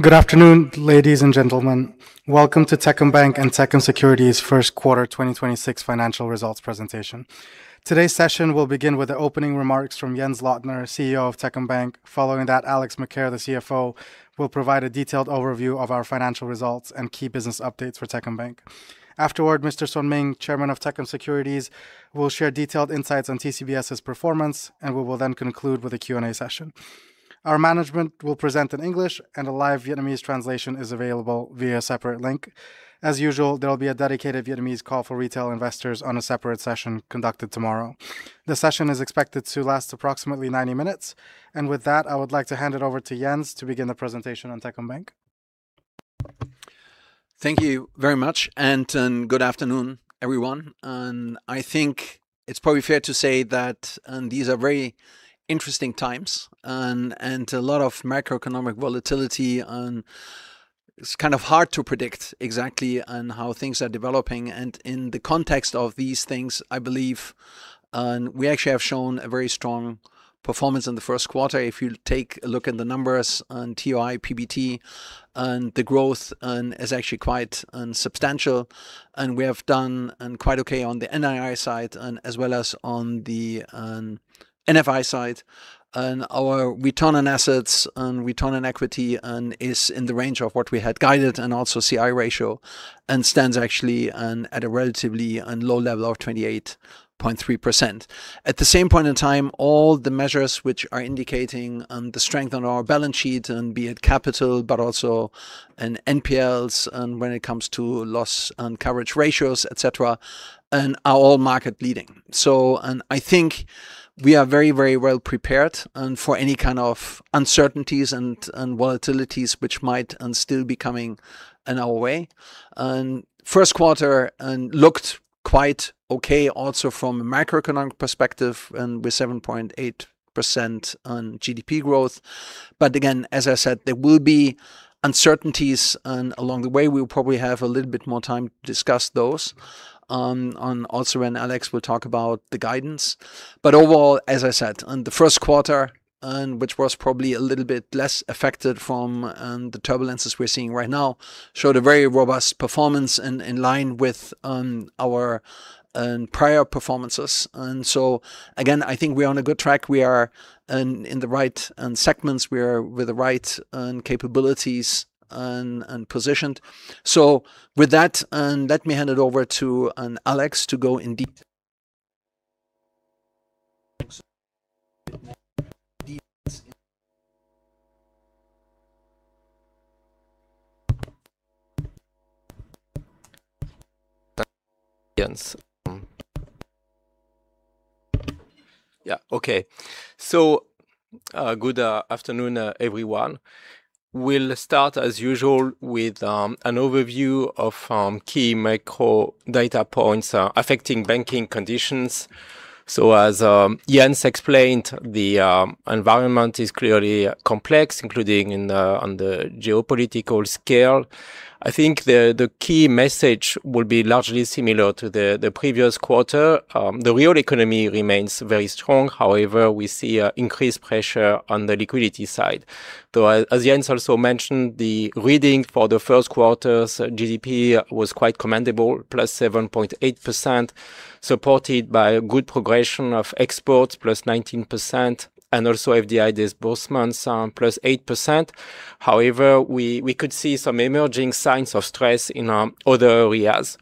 Good afternoon, ladies and gentlemen. Welcome to Techcombank and Techcom Securities' first quarter 2026 financial results presentation. Today's session will begin with the opening remarks from Jens Lottner, CEO of Techcombank. Following that, Alex Macaire, the CFO, will provide a detailed overview of our financial results and key business updates for Techcombank. Afterward, Mr. Nguyễn Xuân Minh, Chairman of Techcom Securities, will share detailed insights on TCBS's performance, and we will then conclude with a Q&A session. Our management will present in English, and a live Vietnamese translation is available via a separate link. As usual, there will be a dedicated Vietnamese call for retail investors on a separate session conducted tomorrow. The session is expected to last approximately 90 minutes. With that, I would like to hand it over to Jens to begin the presentation on Techcombank. Thank you very much. Good afternoon, everyone. I think it's probably fair to say that these are very interesting times and a lot of macroeconomic volatility, and it's kind of hard to predict exactly how things are developing. In the context of these things, I believe we actually have shown a very strong performance in the first quarter. If you take a look at the numbers on TOI, PBT, and the growth is actually quite substantial. We have done quite okay on the NII side as well as on the NFI side. Our return on assets and return on equity is in the range of what we had guided, and also CI ratio stands actually at a relatively low level of 28.3%. At the same point in time, all the measures which are indicating the strength on our balance sheet, be it capital, but also NPLs and when it comes to loan loss coverage ratios, et cetera, are all market leading. I think we are very well prepared for any kind of uncertainties and volatilities which might still be coming in our way. First quarter looked quite okay also from a macroeconomic perspective with 7.8% GDP growth. Again, as I said, there will be uncertainties along the way. We'll probably have a little bit more time to discuss those also when Alex will talk about the guidance. Overall, as I said, the first quarter, which was probably a little bit less affected from the turbulences we're seeing right now, showed a very robust performance in line with our prior performances. again, I think we are on a good track. We are in the right segments. We are with the right capabilities and positioned. with that, let me hand it over to Alex to go in deep. Yeah. Okay. Good afternoon, everyone. We'll start as usual with an overview of key macro data points affecting banking conditions. As Jens explained, the environment is clearly complex, including on the geopolitical scale. I think the key message will be largely similar to the previous quarter. The real economy remains very strong. However, we see increased pressure on the liquidity side, though as Jens also mentioned, the reading for the first quarter's GDP was quite commendable, +7.8%, supported by a good progression of exports +19%, and also FDIs both months, +8%. However, we could see some emerging signs of stress in other areas.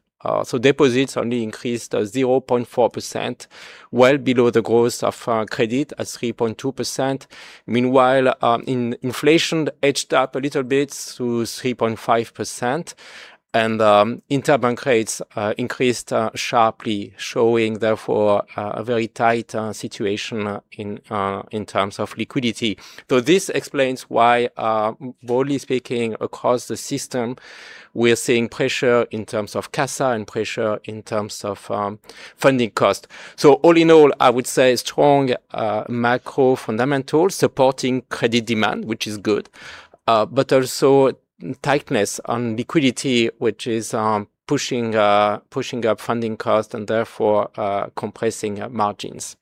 Deposits only increased 0.4%, well below the growth of credit at 3.2%. Meanwhile, inflation edged up a little bit to 3.5%, and interbank rates increased sharply, showing therefore a very tight situation in terms of liquidity. This explains why, broadly speaking, across the system, we are seeing pressure in terms of CASA and pressure in terms of funding cost. All in all, I would say strong macro fundamentals supporting credit demand, which is good, but also tightness on liquidity, which is pushing up funding costs and therefore compressing margins.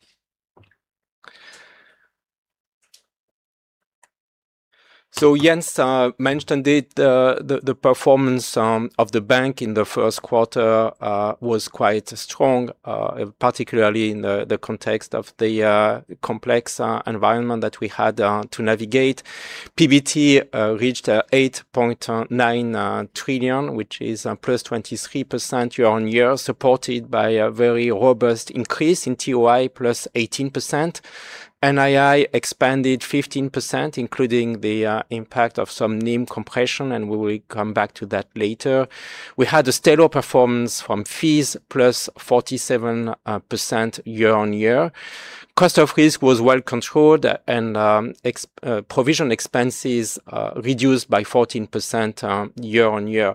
Jens mentioned it, the performance of the bank in the first quarter was quite strong, particularly in the context of the complex environment that we had to navigate. PBT reached 8.9 trillion, which is +23% year-on-year, supported by a very robust increase in TOI +18%. NII expanded 15%, including the impact of some NIM compression, and we will come back to that later. We had a stellar performance from fees +47% year-on-year. Cost of risk was well controlled and provision expenses reduced by 14% year-on-year.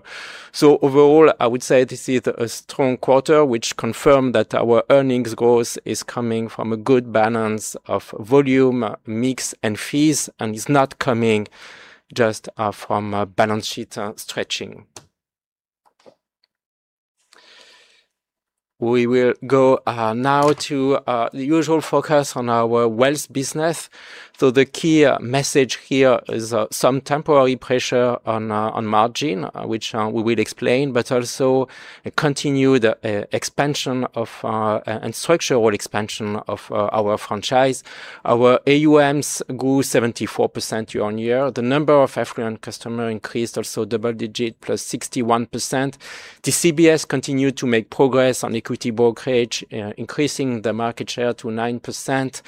Overall, I would say this is a strong quarter, which confirmed that our earnings growth is coming from a good balance of volume, mix, and fees and is not coming just from balance sheet stretching. We will go now to the usual focus on our wealth business. The key message here is some temporary pressure on margin, which we will explain, but also a continued expansion and structural expansion of our franchise. Our AUMs grew 74% year-on-year. The number of affluent customer increased also double digit +61%. The TCBS continued to make progress on equity brokerage, increasing the market share to 9%.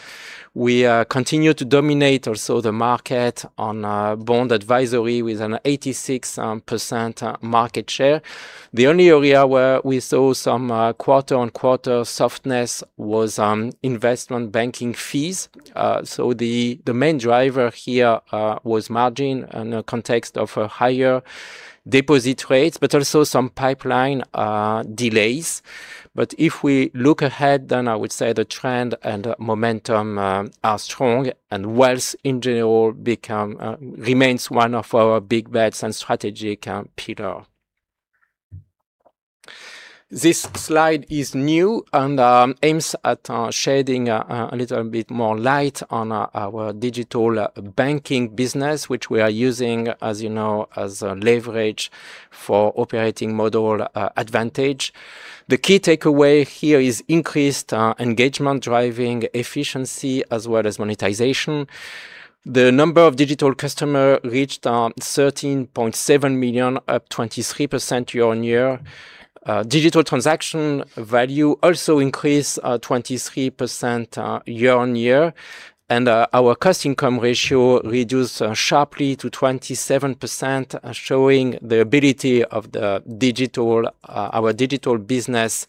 We continue to dominate also the market on bond advisory with an 86% market share. The only area where we saw some quarter-on-quarter softness was on investment banking fees. The main driver here was margin in the context of higher deposit rates, but also some pipeline delays. If we look ahead, then I would say the trend and momentum are strong and wealth in general remains one of our big bets and strategic pillar. This slide is new and aims at shedding a little bit more light on our digital banking business, which we are using, as you know, as leverage for operating model advantage. The key takeaway here is increased engagement, driving efficiency as well as monetization. The number of digital customer reached 13.7 million, up 23% year-on-year. Digital transaction value also increased 23% year-on-year. Our cost-to-income ratio reduced sharply to 27%, showing the ability of our digital business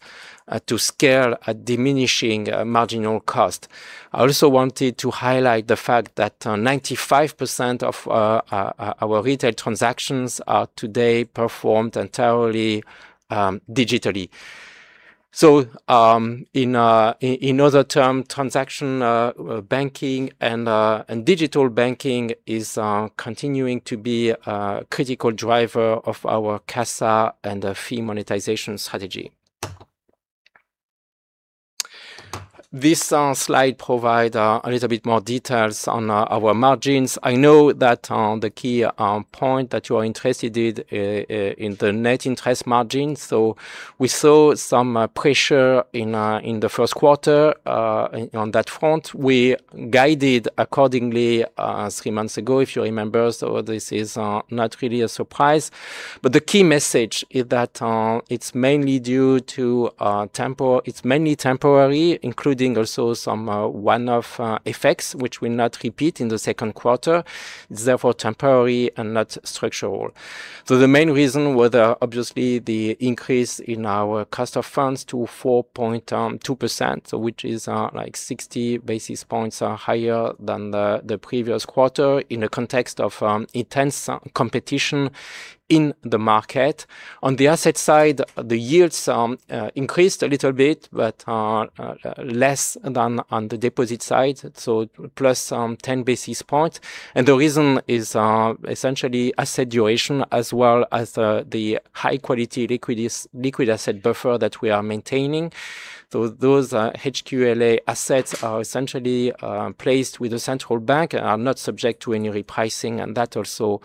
to scale at diminishing marginal cost. I also wanted to highlight the fact that 95% of our retail transactions are today performed entirely digitally. In other terms, transaction banking and digital banking is continuing to be a critical driver of our CASA and fee monetization strategy. This slide provide a little bit more details on our margins. I know that the key point that you are interested in the net interest margin. We saw some pressure in the first quarter on that front. We guided accordingly three months ago, if you remember. This is not really a surprise. The key message is that it's mainly temporary, including also some one-off effects, which will not repeat in the second quarter, therefore temporary and not structural. The main reason were obviously the increase in our cost of funds to 4.2%, which is 60 basis points higher than the previous quarter in a context of intense competition in the market. On the asset side, the yields increased a little bit, but less than on the deposit side. Plus 10 basis points. The reason is essentially asset duration as well as the high-quality liquid asset buffer that we are maintaining. Those HQLA assets are essentially placed with the central bank, are not subject to any repricing, and that also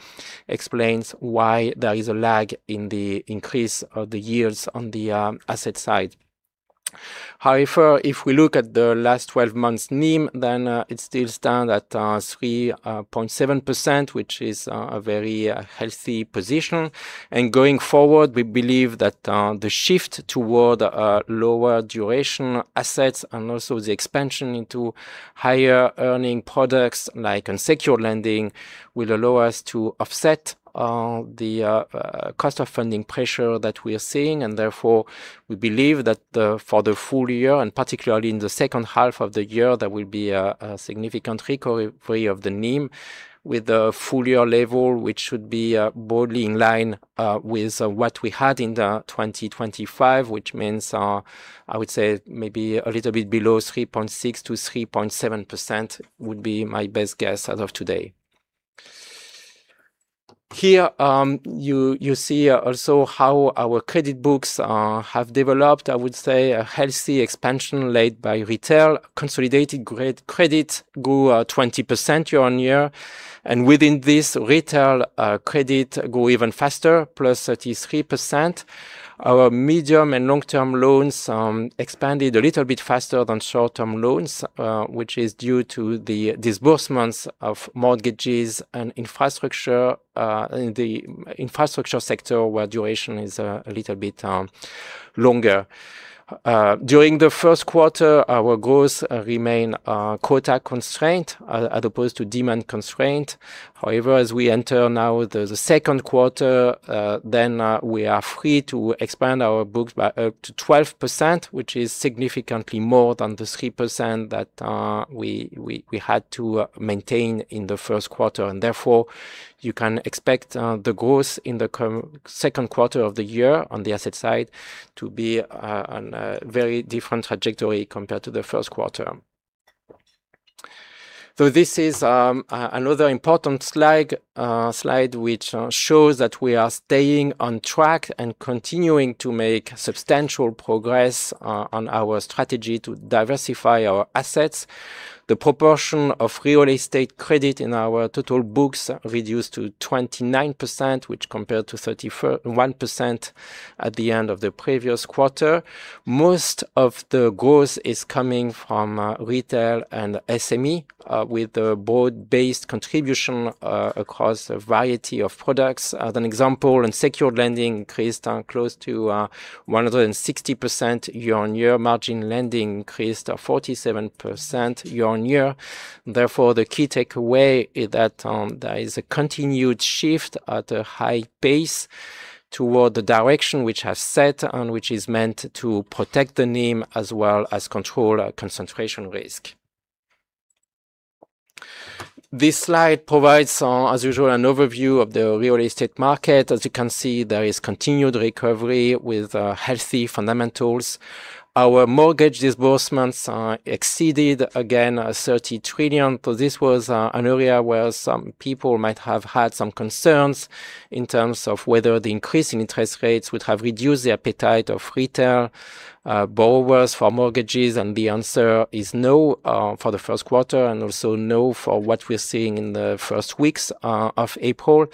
explains why there is a lag in the increase of the yields on the asset side. However, if we look at the last 12 months NIM, then it still stand at 3.7%, which is a very healthy position. Going forward, we believe that the shift toward lower duration assets and also the expansion into higher-earning products like unsecured lending, will allow us to offset the cost of funding pressure that we are seeing, and therefore, we believe that for the full year, and particularly in the second half of the year, there will be a significant recovery of the NIM with the full-year level, which should be broadly in line with what we had in the 2025, which means, I would say maybe a little bit below 3.6%-3.7% would be my best guess as of today. Here, you see also how our credit books have developed. I would say a healthy expansion led by retail. Consolidated credit grew 20% year-on-year, and within this, retail credit grew even faster, +33%. Our medium and long-term loans expanded a little bit faster than short-term loans, which is due to the disbursements of mortgages and infrastructure in the infrastructure sector, where duration is a little bit longer. During the first quarter, our growth remained quota-constrained as opposed to demand-constrained. However, as we enter now the second quarter, then we are free to expand our books by up to 12%, which is significantly more than the 3% that we had to maintain in the first quarter, and therefore you can expect the growth in the second quarter of the year on the asset side to be on a very different trajectory compared to the first quarter. This is another important slide which shows that we are staying on track and continuing to make substantial progress on our strategy to diversify our assets. The proportion of real estate credit in our total books reduced to 29%, which compares to 31% at the end of the previous quarter. Most of the growth is coming from retail and SME with a broad-based contribution across a variety of products. As an example, secured lending increased close to 160% year-on-year, margin lending increased 47% year-on-year. Therefore, the key takeaway is that there is a continued shift at a high pace toward the direction which has set and which is meant to protect the NIM, as well as control our concentration risk. This slide provides, as usual, an overview of the real estate market. As you can see, there is continued recovery with healthy fundamentals. Our mortgage disbursements exceeded again 30 trillion. This was an area where some people might have had some concerns in terms of whether the increase in interest rates would have reduced the appetite of retail borrowers for mortgages, and the answer is no for the first quarter, and also no for what we're seeing in the first weeks of April.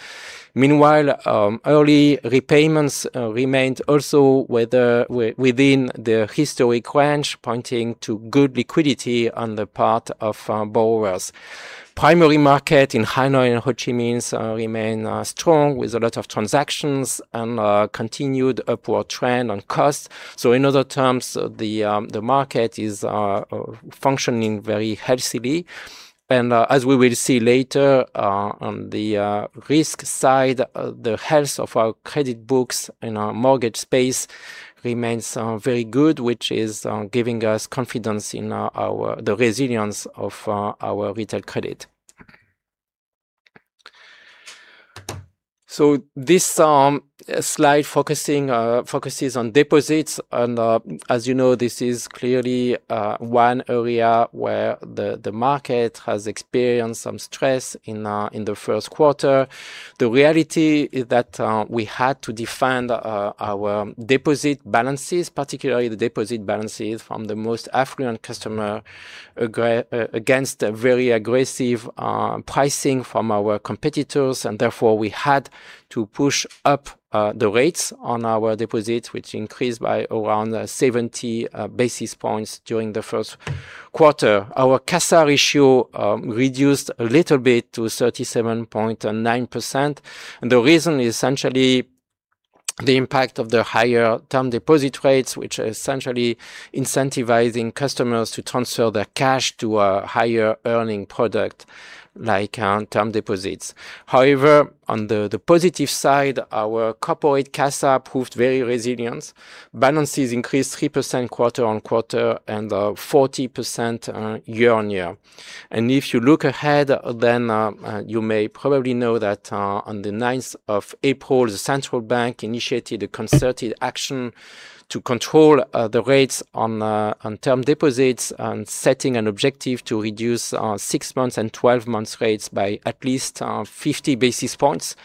Meanwhile, early repayments remained also within the historic range, pointing to good liquidity on the part of borrowers. Primary market in Hanoi and Ho Chi Minh remain strong with a lot of transactions and a continued upward trend on costs. In other terms, the market is functioning very healthily. As we will see later on the risk side, the health of our credit books in our mortgage space remains very good, which is giving us confidence in the resilience of our retail credit. This slide focuses on deposits, and as you know, this is clearly one area where the market has experienced some stress in the first quarter. The reality is that we had to defend our deposit balances, particularly the deposit balances from the most affluent customer, against a very aggressive pricing from our competitors, and therefore we had to push up the rates on our deposits, which increased by around 70 basis points during the first quarter. Our CASA ratio reduced a little bit to 37.9%, and the reason is essentially the impact of the higher term deposit rates, which are essentially incentivizing customers to transfer their cash to a higher earning product like term deposits. However, on the positive side, our corporate CASA proved very resilient. Balances increased 3% quarter-on-quarter and 40% year-on-year. If you look ahead then you may probably know that on the 9 April, the central bank initiated a concerted action to control the rates on term deposits and setting an objective to reduce six months and 12 months rates by at least 50 basis points.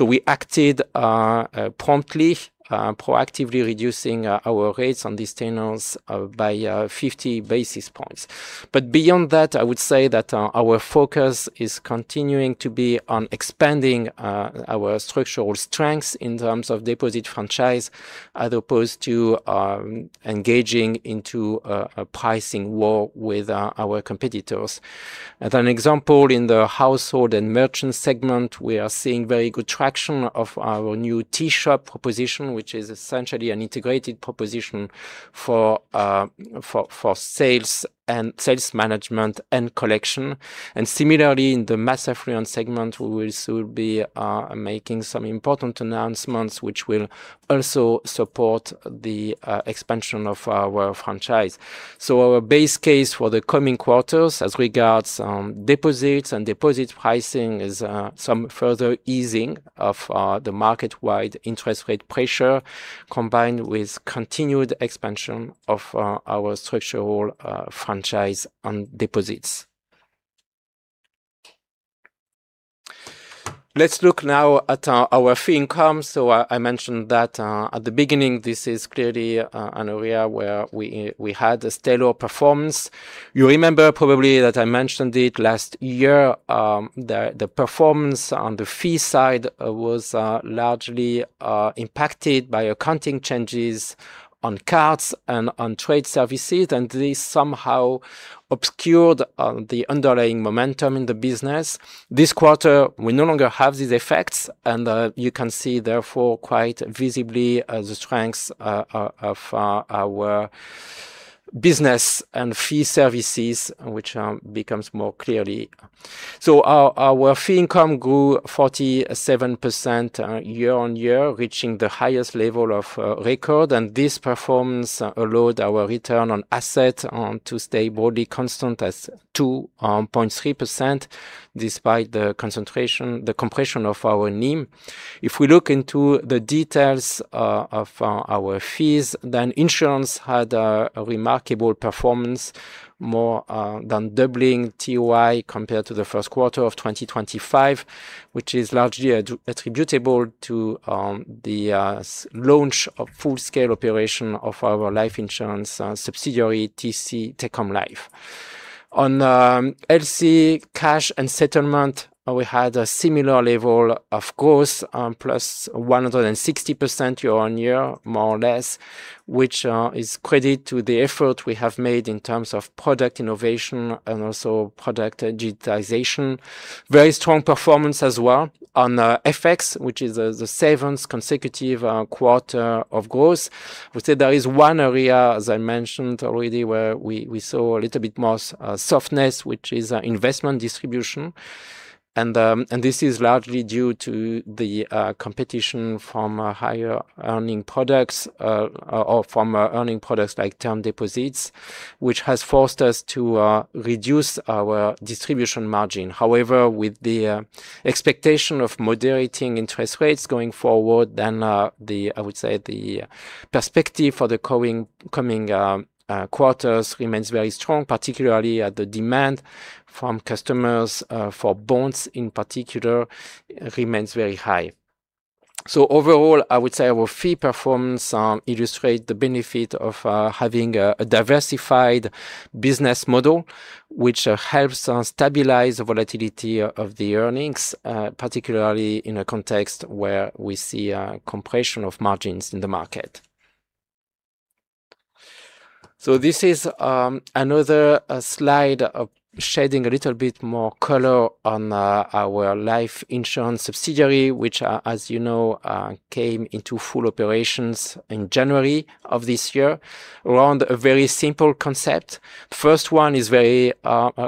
We acted promptly, proactively reducing our rates on these tenures by 50 basis points. Beyond that, I would say that our focus is continuing to be on expanding our structural strengths in terms of deposit franchise, as opposed to engaging into a pricing war with our competitors. As an example, in the household and merchant segment, we are seeing very good traction of our new T-Shop proposition, which is essentially an integrated proposition for sales and sales management and collection. Similarly, in the mass affluent segment, we will soon be making some important announcements which will also support the expansion of our franchise. Our base case for the coming quarters as regards deposits and deposit pricing is some further easing of the market-wide interest rate pressure, combined with continued expansion of our structural franchise on deposits. Let's look now at our fee income. I mentioned that at the beginning, this is clearly an area where we had a stellar performance. You remember probably that I mentioned it last year, the performance on the fee side was largely impacted by accounting changes on cards and on trade services, and this somehow obscured the underlying momentum in the business. This quarter, we no longer have these effects, and you can see, therefore, quite visibly the strengths of our business and fee services, which becomes more clearly. Our fee income grew 47% year-on-year, reaching the highest level of record, and this performance allowed our return on assets to stay broadly constant at 2.3% despite the contraction, the compression of our NIM. If we look into the details of our fees, then insurance had a remarkable performance, more than doubling TOI compared to the first quarter of 2025, which is largely attributable to the launch of full-scale operation of our life insurance subsidiary, Techcom Life. On LC cash and settlement, we had a similar level of growth, +160% year-on-year, more or less, which is credited to the effort we have made in terms of product innovation and also product digitization. Very strong performance as well on FX, which is the seventh consecutive quarter of growth. I would say there is one area, as I mentioned already, where we saw a little bit more softness, which is investment distribution. This is largely due to the competition from higher earning products or from earning products like term deposits, which has forced us to reduce our distribution margin. However, with the expectation of moderating interest rates going forward, then I would say the perspective for the coming quarters remains very strong, particularly the demand from customers for bonds in particular, remains very high. Overall, I would say our fee performance illustrates the benefit of having a diversified business model, which helps stabilize the volatility of the earnings, particularly in a context where we see a compression of margins in the market. This is another slide, shedding a little bit more color on our life insurance subsidiary, which, as you know, came into full operations in January of this year around a very simple concept. First one is a very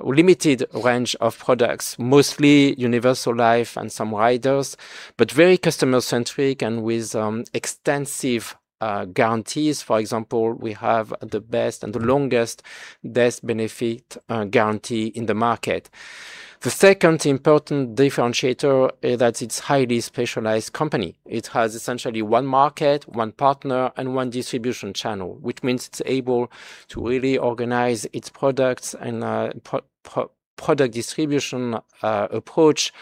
limited range of products, mostly Universal life and some riders, but very customer-centric and with extensive guarantees. For example, we have the best and the longest death benefit guarantee in the market. The second important differentiator is that it's a highly specialized company. It has essentially one market, one partner, and one distribution channel, which means it's able to really organize its products and product distribution approach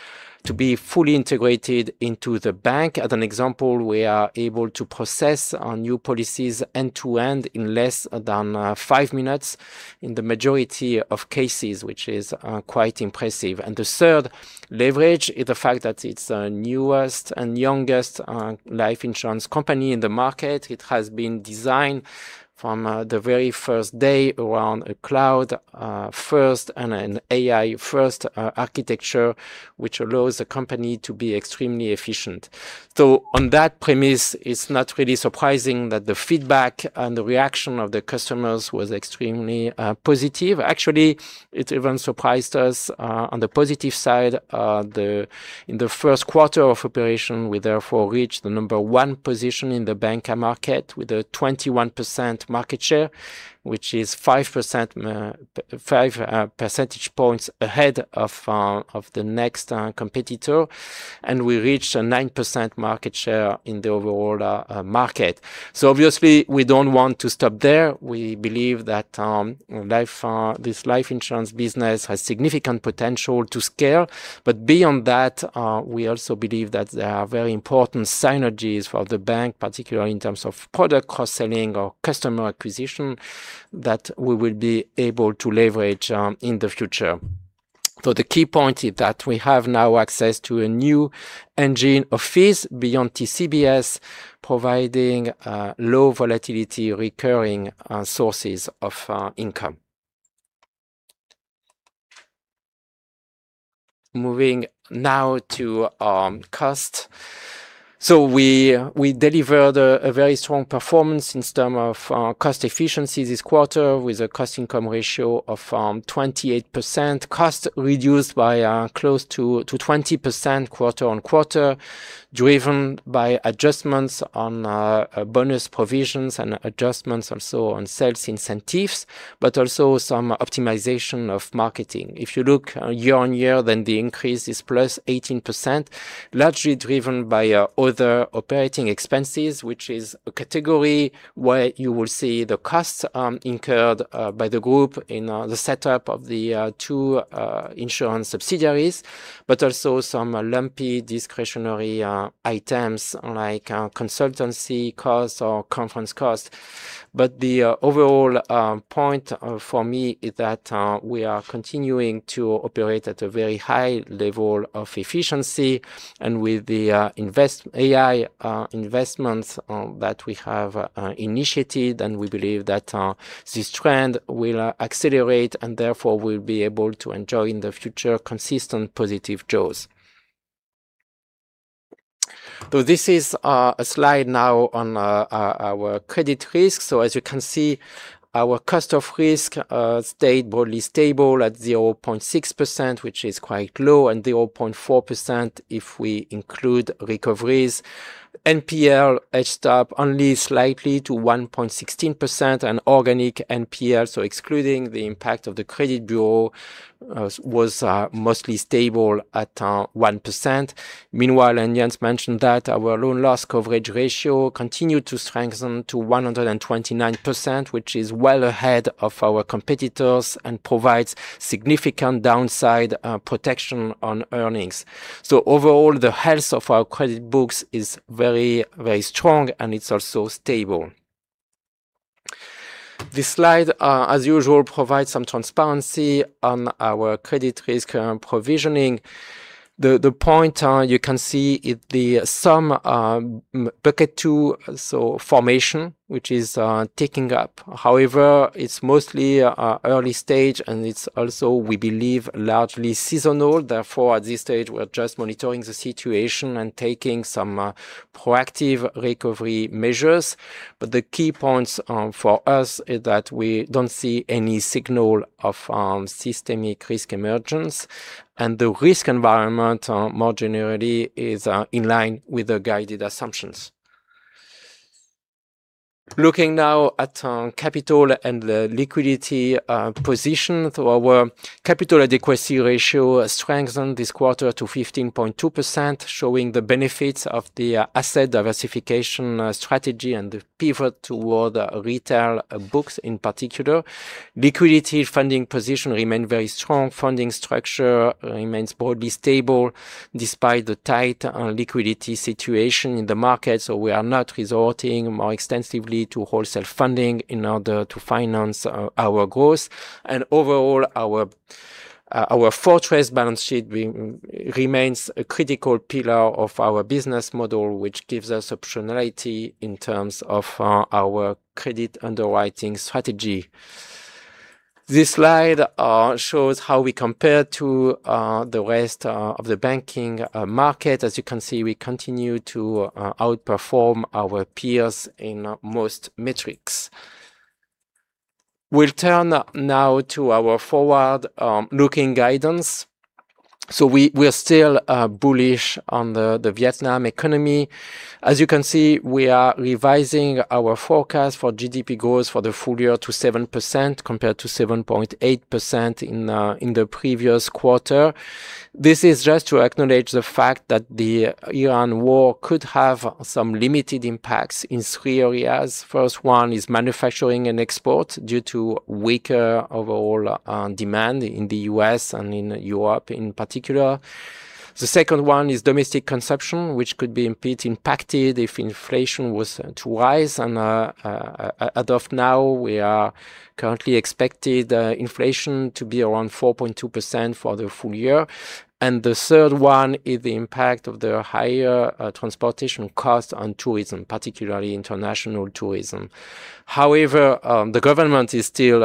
to be fully integrated into the bank. As an example, we are able to process our new policies end-to-end in less than five minutes in the majority of cases, which is quite impressive. The third leverage is the fact that it's the newest and youngest life insurance company in the market. It has been designed from the very first day around a cloud-first and an AI-first architecture, which allows the company to be extremely efficient. On that premise, it's not really surprising that the feedback and the reaction of the customers was extremely positive. Actually, it even surprised us on the positive side. In the first quarter of operation, we therefore reached the number one position in the bancassurance market with a 21% market share, which is 5% points ahead of the next competitor. We reached a 9% market share in the overall market. Obviously, we don't want to stop there. We believe that this life insurance business has significant potential to scale. Beyond that, we also believe that there are very important synergies for the bank, particularly in terms of product cross-selling or customer acquisition that we will be able to leverage in the future. The key point is that we have now access to a new engine of fees beyond TCBS, providing low volatility, recurring sources of income. Moving now to cost. We delivered a very strong performance in term of cost efficiency this quarter with a cost-to-income ratio of 28%, cost reduced by close to 20% quarter-over-quarter, driven by adjustments on bonus provisions and adjustments also on sales incentives, but also some optimization of marketing. If you look year-on-year, then the increase is +18%, largely driven by other operating expenses, which is a category where you will see the costs incurred by the group in the setup of the two insurance subsidiaries, but also some lumpy discretionary items like consultancy costs or conference costs. The overall point for me is that we are continuing to operate at a very high level of efficiency and with the AI investments that we have initiated, and we believe that this trend will accelerate and therefore will be able to enjoy in the future consistent positive growth. This is a slide now on our credit risk. As you can see, our cost of risk stayed broadly stable at 0.6%, which is quite low, and 0.4% if we include recoveries. NPL edged up only slightly to 1.16%, and organic NPL, so excluding the impact of the credit bureau, was mostly stable at 1%. Meanwhile, Jens mentioned that our loan loss coverage ratio continued to strengthen to 129%, which is well ahead of our competitors and provides significant downside protection on earnings. Overall, the health of our credit books is very strong, and it's also stable. This slide, as usual, provides some transparency on our credit risk and provisioning. The point you can see is the stage two formation, which is ticking up. However, it's mostly early stage and it's also, we believe, largely seasonal. Therefore, at this stage, we're just monitoring the situation and taking some proactive recovery measures. The key points for us is that we don't see any signal of systemic risk emergence. The risk environment more generally is in line with the guided assumptions. Looking now at capital and the liquidity position. Our Capital Adequacy Ratio strengthened this quarter to 15.2%, showing the benefits of the asset diversification strategy and the pivot toward retail books in particular. Liquidity funding position remained very strong. Funding structure remains broadly stable despite the tight liquidity situation in the market. We are not resorting more extensively to wholesale funding in order to finance our growth. Overall, our fortress balance sheet remains a critical pillar of our business model, which gives us optionality in terms of our credit underwriting strategy. This slide shows how we compare to the rest of the banking market. As you can see, we continue to outperform our peers in most metrics. We'll turn now to our forward-looking guidance. We are still bullish on the Vietnam economy. As you can see, we are revising our forecast for GDP growth for the full year to 7%, compared to 7.8% in the previous quarter. This is just to acknowledge the fact that the Iran war could have some limited impacts in three areas. First one is manufacturing and export due to weaker overall demand in the U.S. and in Europe in particular. The second one is domestic consumption, which could be a bit impacted if inflation was to rise. As of now, we are currently expecting inflation to be around 4.2% for the full year. The third one is the impact of the higher transportation cost on tourism, particularly international tourism. However, the government is still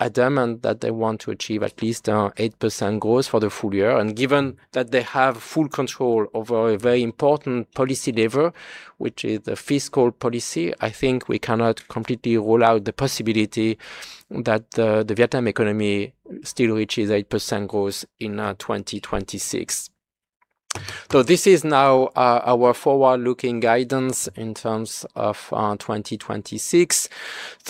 adamant that they want to achieve at least 8% growth for the full year. Given that they have full control over a very important policy lever, which is the fiscal policy, I think we cannot completely rule out the possibility that the Vietnam economy still reaches 8% growth in 2026. This is now our forward-looking guidance in terms of 2026.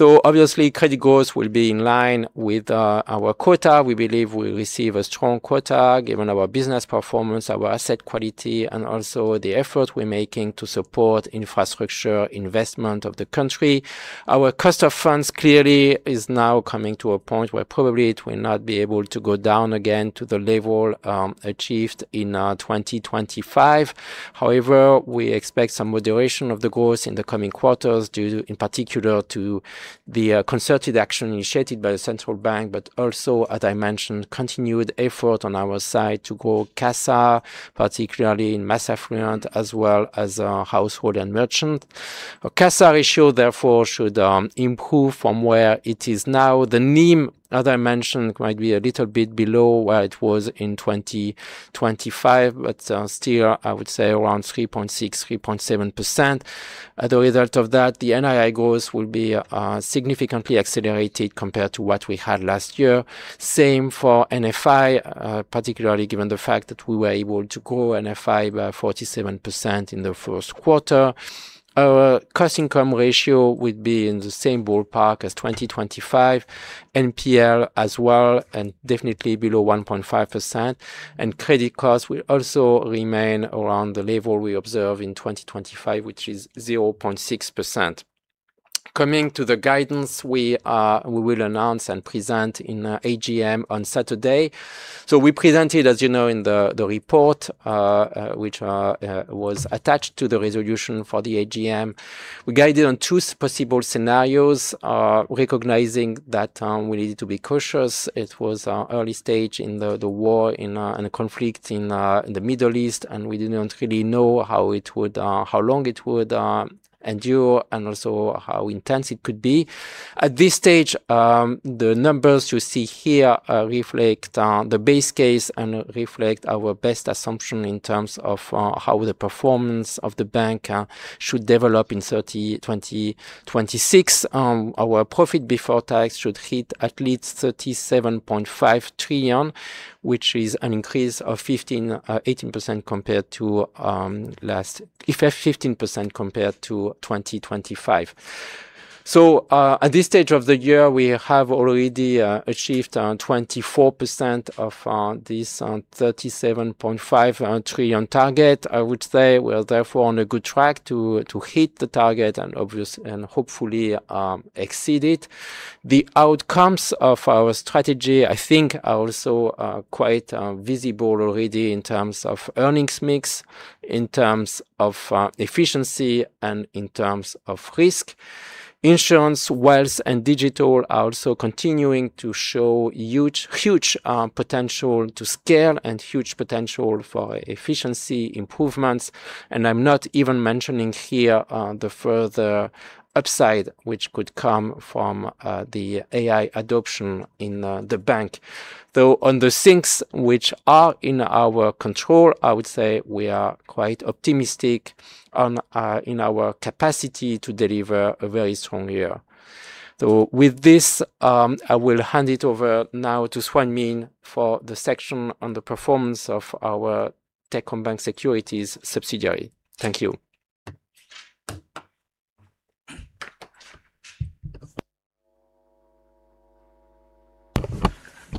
Obviously, credit growth will be in line with our quota. We believe we receive a strong quota given our business performance, our asset quality, and also the effort we're making to support infrastructure investment of the country. Our cost of funds clearly is now coming to a point where probably it will not be able to go down again to the level achieved in 2025. However, we expect some moderation of the growth in the coming quarters due, in particular, to the concerted action initiated by the central bank, but also, as I mentioned, continued effort on our side to grow CASA, particularly in mass affluent as well as household and merchant. Our CASA ratio, therefore, should improve from where it is now. The NIM, as I mentioned, might be a little bit below where it was in 2025, but still, I would say around 3.6%-3.7%. As a result of that, the NII growth will be significantly accelerated compared to what we had last year. Same for NFI, particularly given the fact that we were able to grow NFI by 47% in the first quarter. Our cost income ratio would be in the same ballpark as 2025, NPL as well, and definitely below 1.5%. Credit costs will also remain around the level we observe in 2025, which is 0.6%. Coming to the guidance we will announce and present in AGM on Saturday. We presented, as you know, in the report, which was attached to the resolution for the AGM. We guided on two possible scenarios, recognizing that we needed to be cautious. It was early stage in the war, in the conflict in the Middle East, and we did not really know how long it would endure and also how intense it could be. At this stage, the numbers you see here reflect the base case and reflect our best assumption in terms of how the performance of the bank should develop in 2026. Our profit before tax should hit at least 37.5 trillion, which is an increase of 15% compared to 2025. At this stage of the year, we have already achieved 24% of this 37.5 trillion target. I would say we're therefore on a good track to hit the target and hopefully exceed it. The outcomes of our strategy, I think are also quite visible already in terms of earnings mix, in terms of efficiency, and in terms of risk. Insurance, wealth, and digital are also continuing to show huge potential to scale and huge potential for efficiency improvements. I'm not even mentioning here the further upside which could come from the AI adoption in the bank. Though on the things which are in our control, I would say we are quite optimistic in our capacity to deliver a very strong year. With this, I will hand it over now to Nguyễn Xuân Minh for the section on the performance of our Techcom Securities subsidiary. Thank you.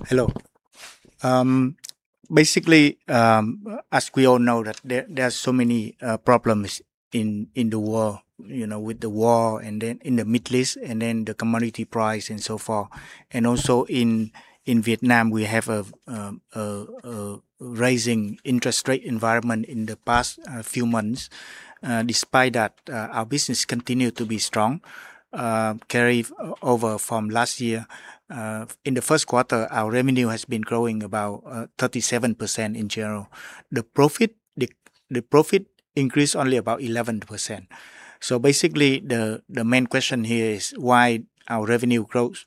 Hello. Basically, as we all know, there are so many problems in the world, with the war and then in the Middle East, and then the commodity price and so forth. Also in Vietnam, we have a rising interest rate environment in the past few months. Despite that, our business continue to be strong, carry over from last year. In the first quarter, our revenue has been growing about 37% in general. The profit increased only about 11%. Basically, the main question here is why our revenue grows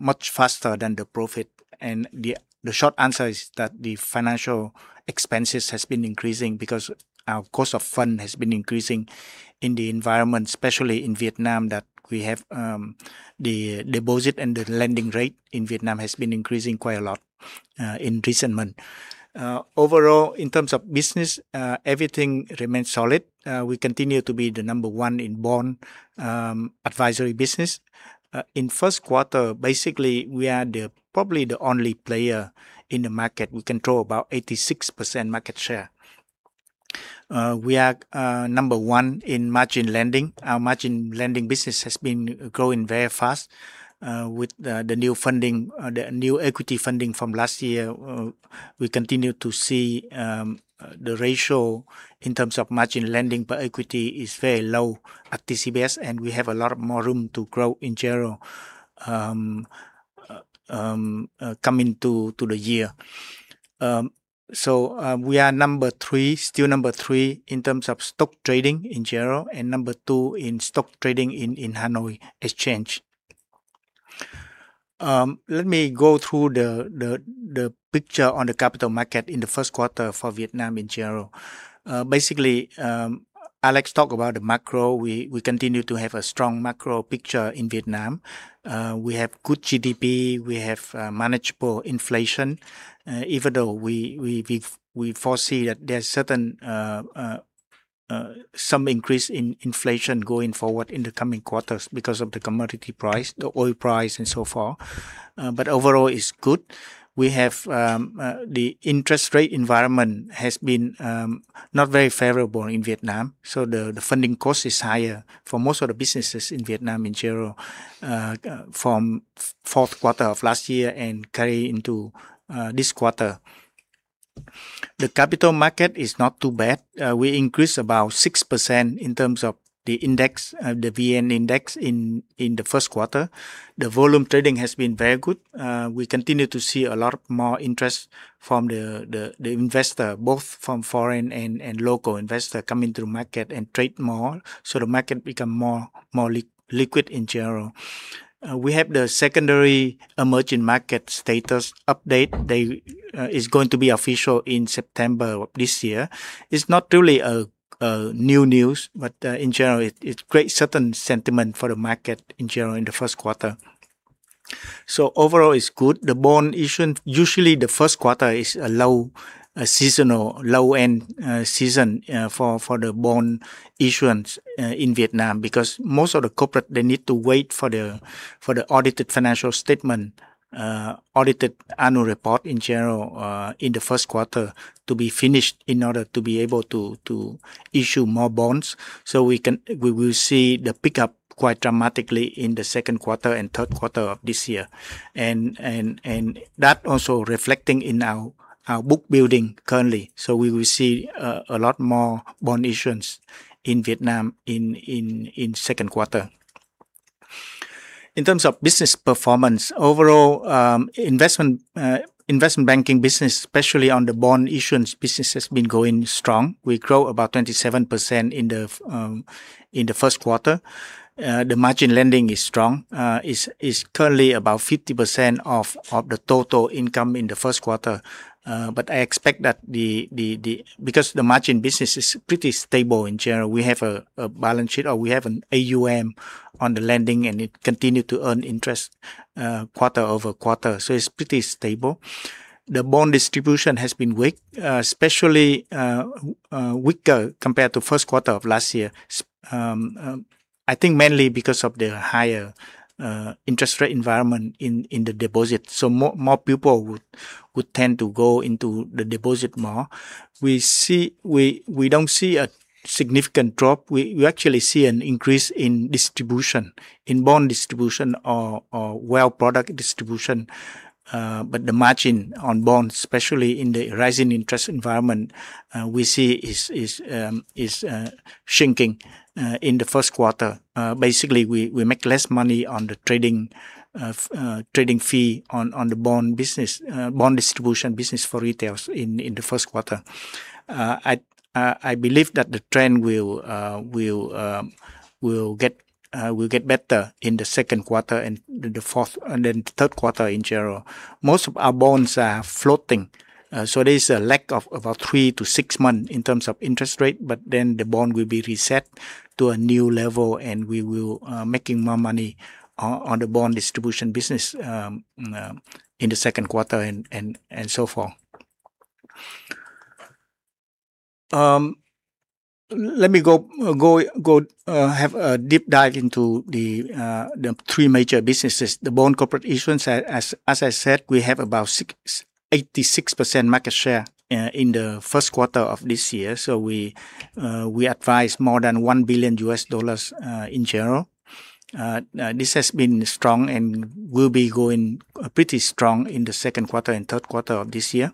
much faster than the profit. The short answer is that the financial expenses has been increasing because our cost of fund has been increasing in the environment, especially in Vietnam, that we have the deposit and the lending rate in Vietnam has been increasing quite a lot in recent months. Overall, in terms of business, everything remains solid. We continue to be the number one in bond advisory business. In first quarter, basically, we are probably the only player in the market. We control about 86% market share. We are number one in margin lending. Our margin lending business has been growing very fast, with the new equity funding from last year. We continue to see the ratio in terms of margin lending per equity is very low at TCBS, and we have a lot more room to grow in general coming to the year. We are number three, still number three in terms of stock trading in general, and number two in stock trading in Hanoi Stock Exchange. Let me go through the picture on the capital market in the first quarter for Vietnam in general. Basically, Alex talked about the macro. We continue to have a strong macro picture in Vietnam. We have good GDP. We have manageable inflation. Even though we foresee that there's some increase in inflation going forward in the coming quarters because of the commodity price, the oil price and so forth. Overall, it's good. We have the interest rate environment has been not very favorable in Vietnam, so the funding cost is higher for most of the businesses in Vietnam in general, from fourth quarter of last year and carry into this quarter. The capital market is not too bad. We increase about 6% in terms of the VN-Index in the first quarter. The volume trading has been very good. We continue to see a lot more interest from the investor, both from foreign and local investor coming to market and trade more. The market become more liquid in general. We have the secondary emerging market status update that is going to be official in September of this year. It's not really a new news, but in general, it creates certain sentiment for the market in general in the first quarter. Overall, it's good. The bond issue, usually the first quarter is a seasonal low-end season for the bond issuance in Vietnam because most of the corporate, they need to wait for the audited financial statement, audited annual report in general, in the first quarter to be finished in order to be able to issue more bonds. We will see the pickup quite dramatically in the second quarter and third quarter of this year. That also reflecting in our book building currently. We will see a lot more bond issuance in Vietnam in second quarter. In terms of business performance, overall, investment banking business, especially on the bond issuance business, has been going strong. We grow about 27% in the first quarter. The margin lending is strong. It's currently about 50% of the total income in the first quarter. I expect that because the margin business is pretty stable in general, we have a balance sheet, or we have an AUM on the lending, and it continue to earn interest quarter-over-quarter. It's pretty stable. The bond distribution has been weak, especially weaker compared to first quarter of last year. I think mainly because of the higher interest rate environment in the deposit. More people would tend to go into the deposit more. We don't see a significant drop. We actually see an increase in distribution, in bond distribution or wealth product distribution. The margin on bonds, especially in the rising interest environment, we see is shrinking in the first quarter. Basically, we make less money on the trading fee on the bond distribution business for retail in the first quarter. I believe that the trend will get better in the second quarter and then the third quarter in general. Most of our bonds are floating, so there's a lag of about three to six months in terms of interest rate, but then the bond will be reset to a new level, and we will make more money on the bond distribution business in the second quarter and so forth. Let me have a deep dive into the three major businesses. The bond corporate issuance, as I said, we have about 86% market share in the first quarter of this year. We advise more than $1 billion in general. This has been strong and will be going pretty strong in the second quarter and third quarter of this year.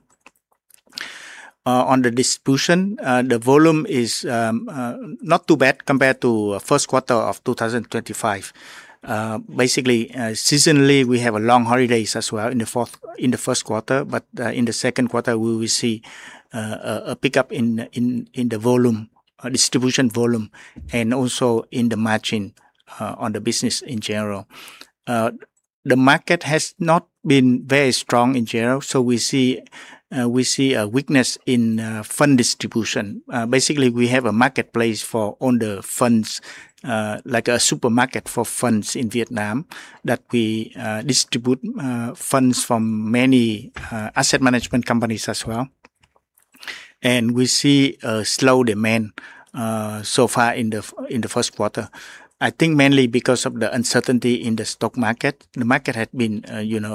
On the distribution, the volume is not too bad compared to first quarter of 2025. Basically, seasonally, we have long holidays as well in the first quarter, but in the second quarter, we will see a pickup in the distribution volume and also in the margin on the business in general. The market has not been very strong in general, so we see a weakness in fund distribution. Basically, we have a marketplace for all the funds, like a supermarket for funds in Vietnam, that we distribute funds from many asset management companies as well. We see a slow demand so far in the first quarter. I think mainly because of the uncertainty in the stock market. The market had been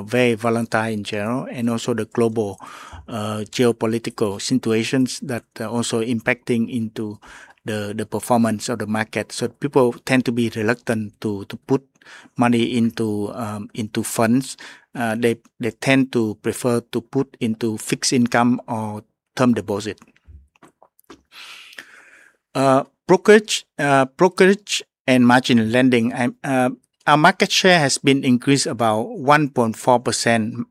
very volatile in general, and also the global geopolitical situations that are also impacting into the performance of the market. People tend to be reluctant to put money into funds. They tend to prefer to put into fixed income, term deposit, brokerage and margin lending. Our market share has been increased about 1.4%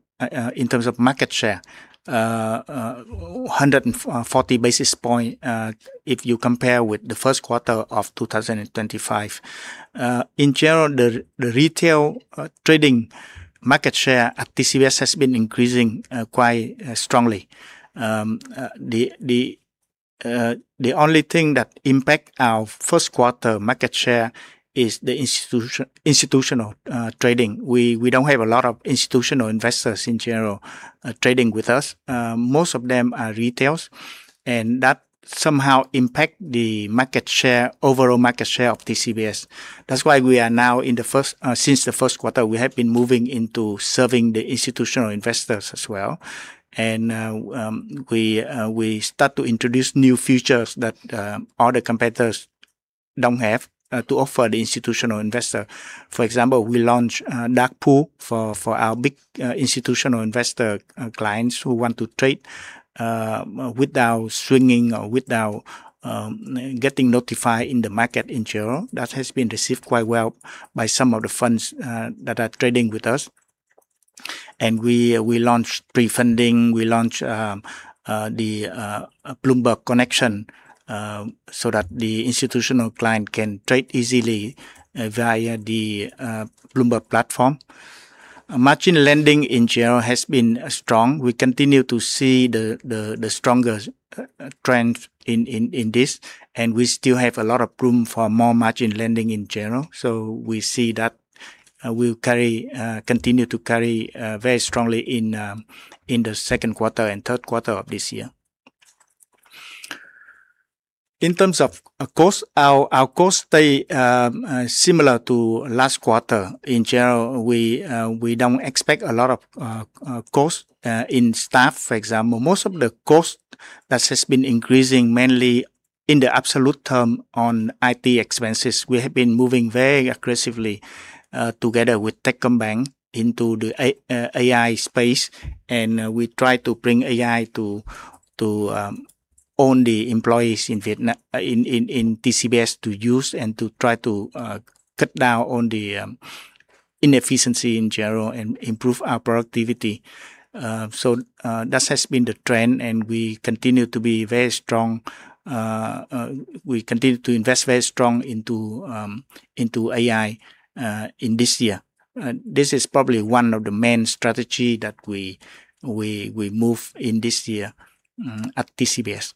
in terms of market share, 140 basis point, if you compare with the first quarter of 2025. In general, the retail trading market share at TCBS has been increasing quite strongly. The only thing that impact our first quarter market share is the institutional trading. We don't have a lot of institutional investors in general trading with us. Most of them are retails, and that somehow impact the overall market share of TCBS. That's why since the first quarter; we have been moving into serving the institutional investors as well. We start to introduce new features that other competitors don't have to offer the institutional investor. For example, we launch dark pool for our big institutional investor clients who want to trade without swinging or without getting notified in the market in general. That has been received quite well by some of the funds that are trading with us. We launch pre-funding; we launch the Bloomberg connection so that the institutional client can trade easily via the Bloomberg platform. Margin lending, in general, has been strong. We continue to see the strongest trends in this, and we still have a lot of room for more margin lending in general. We see that will continue to carry very strongly in the second quarter and third quarter of this year. In terms of cost, our cost stays similar to last quarter. In general, we don't expect a lot of cost in staff, for example. Most of the cost that has been increasing, mainly in the absolute term on IT expenses. We have been moving very aggressively, together with Techcombank, into the AI space, and we try to bring AI to all the employees in TCBS to use and to try to cut down on the inefficiency in general and improve our productivity. That has been the trend, and we continue to invest very strong into AI in this year. This is probably one of the main strategies that we move in this year at TCBS.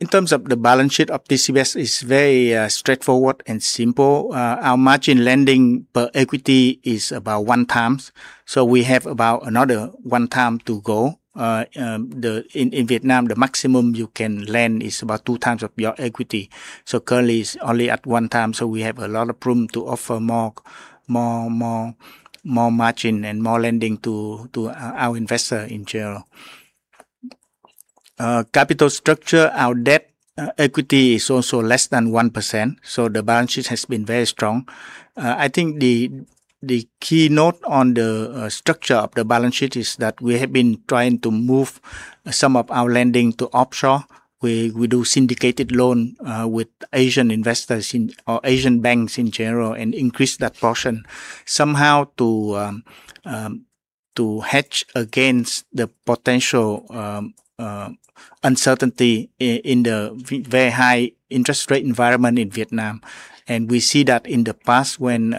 In terms of the balance sheet of TCBS, it's very straightforward and simple. Our margin lending per equity is about 1x, so we have about another 1x to go. In Vietnam, the maximum you can lend is about 2x of your equity. Currently, it's only at 1x, so we have a lot of room to offer more margin and more lending to our investor in general. Capital structure. Our debt equity is also less than 1%, so the balance sheet has been very strong. I think the keynote on the structure of the balance sheet is that we have been trying to move some of our lending to offshore. We do syndicated loan with Asian investors or Asian banks in general and increase that portion somehow to hedge against the potential uncertainty in the very high-interest rate environment in Vietnam. We see that in the past when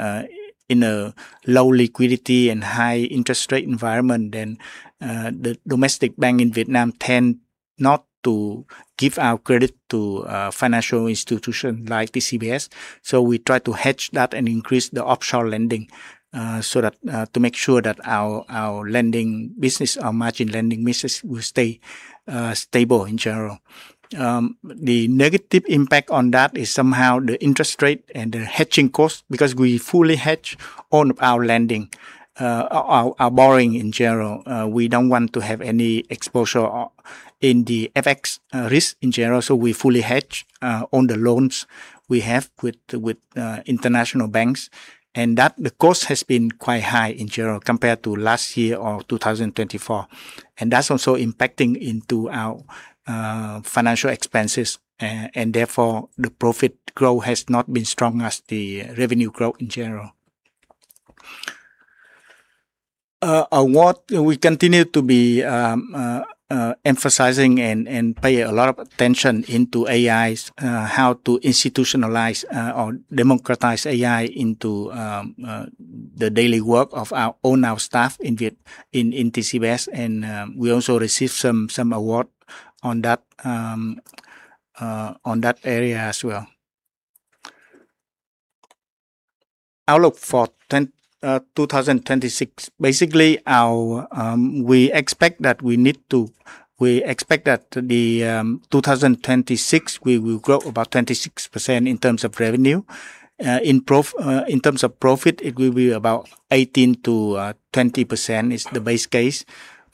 in a low liquidity and high-interest rate environment, then the domestic banks in Vietnam tend not to give out credit to a financial institution like TCBS. We try to hedge that and increase the offshore lending to make sure that our lending business, our margin lending business, will stay stable in general. The negative impact on that is somehow the interest rate and the hedging cost because we fully hedge all of our lending, our borrowing in general. We don't want to have any exposure in the FX risk in general. We fully hedge on the loans we have with international banks, and the cost has been quite high in general compared to last year or 2024. That's also impacting into our financial expenses, and therefore, the profit growth has not been strong as the revenue growth in general. We continue to be emphasizing and pay a lot of attention to AI, how to institutionalize or democratize AI into the daily work of all our staff in TCBS, and we also received some award in that area as well. Outlook for 2026. Basically, we expect that in 2026, we will grow about 26% in terms of revenue. In terms of profit, it will be about 18%-20% is the base case.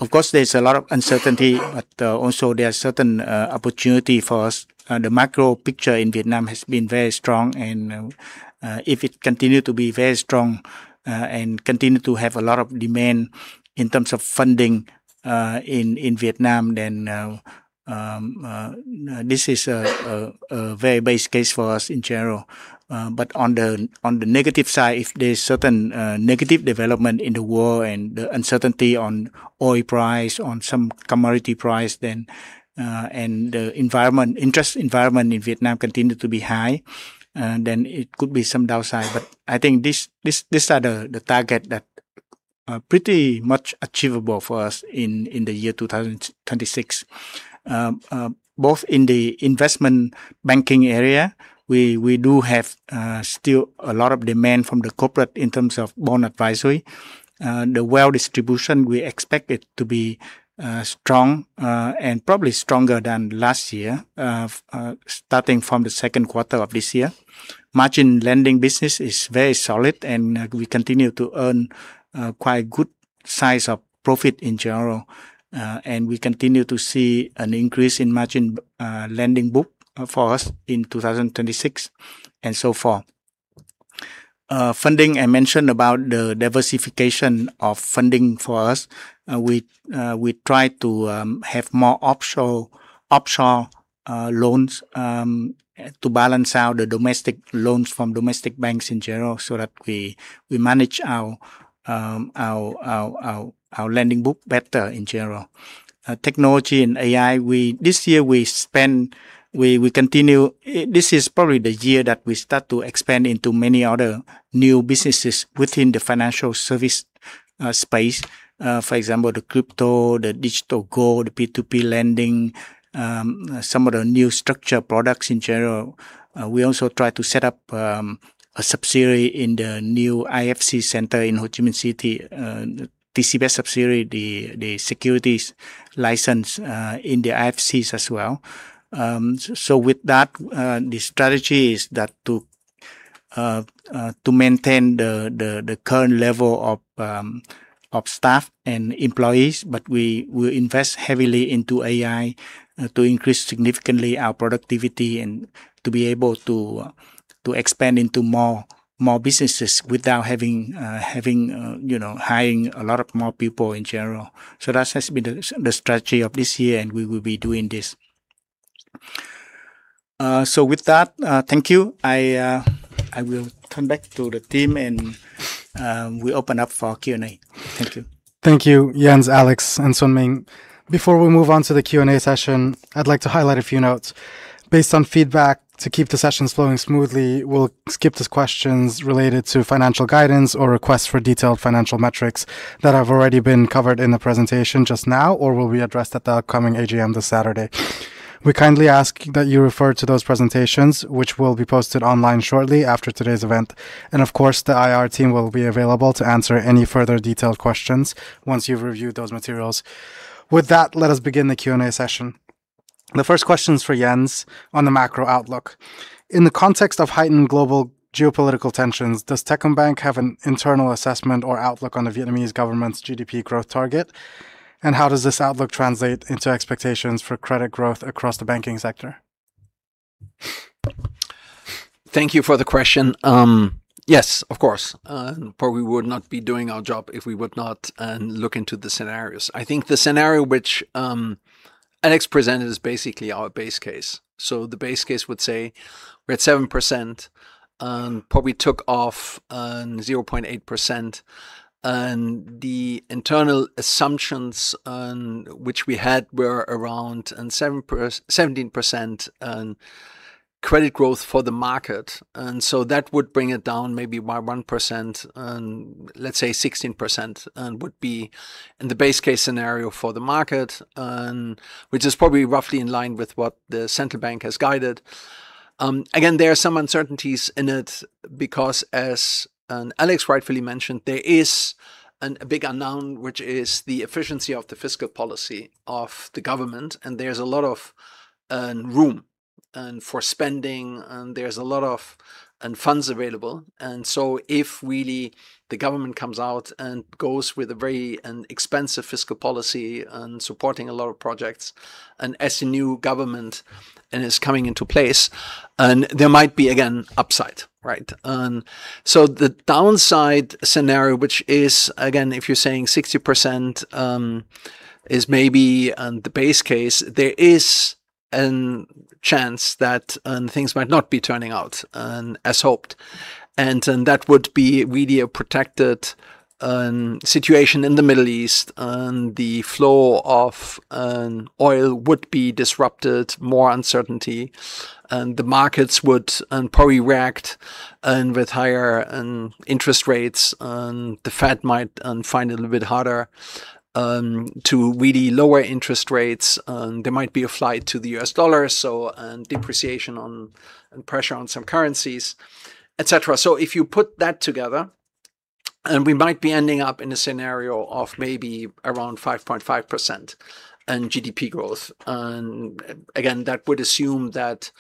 Of course, there's a lot of uncertainty, but also there are certain opportunities for us. The macro picture in Vietnam has been very strong, and if it continues to be very strong and continue to have a lot of demand in terms of funding in Vietnam, then this is our base case for us in general. On the negative side, if there's certain negative development in the war and the uncertainty on oil price, on some commodity price, and the interest environment in Vietnam continue to be high, then it could be some downside. I think these are the target that are pretty much achievable for us in the year 2026. Both in the investment banking area, we do have still a lot of demand from the corporate in terms of bond advisory. The wealth distribution, we expect it to be strong, and probably stronger than last year, starting from the second quarter of this year. Margin lending business is very solid, and we continue to earn quite good size of profit in general. We continue to see an increase in margin lending book for us in 2026 and so forth. Funding, I mentioned about the diversification of funding for us. We try to have more offshore loans to balance out the domestic loans from domestic banks in general, so that we manage our lending book better in general. Technology and AI, this year, this is probably the year that we start to expand into many other new businesses within the financial service space. For example, the crypto, the digital gold, P2P lending, some of the new structured products in general. We also try to set up a subsidiary in the new IFC center in Ho Chi Minh City, TCBS subsidiary, the securities license in the IFCs as well. With that, the strategy is that to maintain the current level of staff and employees, but we will invest heavily into AI to increase significantly our productivity and to be able to expand into more businesses without hiring a lot of more people in general. That has been the strategy of this year, and we will be doing this. With that, thank you. I will turn back to the team, and we open up for Q&A. Thank you. Thank you, Jens, Alex, and Nguyễn Xuân Minh. Before we move on to the Q&A session, I'd like to highlight a few notes. Based on feedback, to keep the sessions flowing smoothly, we'll skip the questions related to financial guidance or requests for detailed financial metrics that have already been covered in the presentation just now or will be addressed at the upcoming AGM this Saturday. We kindly ask that you refer to those presentations, which will be posted online shortly after today's event. Of course, the IR team will be available to answer any further detailed questions once you've reviewed those materials. With that, let us begin the Q&A session. The first question is for Jens on the macro-outlook. In the context of heightened global geopolitical tensions, does Techcombank have an internal assessment or outlook on the Vietnamese government's GDP growth target? How does this outlook translate into expectations for credit growth across the banking sector? Thank you for the question. Yes, of course. Probably would not be doing our job if we would not look into the scenarios. I think the scenario which Alex presented is basically our base case. The base case would say we're at 7%, probably took off 0.8%, and the internal assumptions which we had were around 17% credit growth for the market. That would bring it down maybe by 1% and let's say 16% would be in the base case scenario for the market, which is probably roughly in line with what the central bank has guided. Again, there are some uncertainties in it because as Alex rightfully mentioned, there is a big unknown, which is the efficiency of the fiscal policy of the government. There's a lot of room for spending, and there's a lot of funds available. If really the government comes out and goes with a very expensive fiscal policy and supporting a lot of projects, and as a new government is coming into place, there might be again, upside. Right? The downside scenario, which is again, if you're saying 60% is maybe the base case, there is a chance that things might not be turning out as hoped. That would be really a protracted situation in the Middle East, and the flow of oil would be disrupted, more uncertainty, and the markets would probably react with higher interest rates. The Fed might find it a little bit harder to really lower interest rates, and there might be a flight to the US dollar. Depreciation and pressure on some currencies, et cetera. If you put that together, and we might be ending up in a scenario of maybe around 5.5% in GDP growth. Again, that would assume that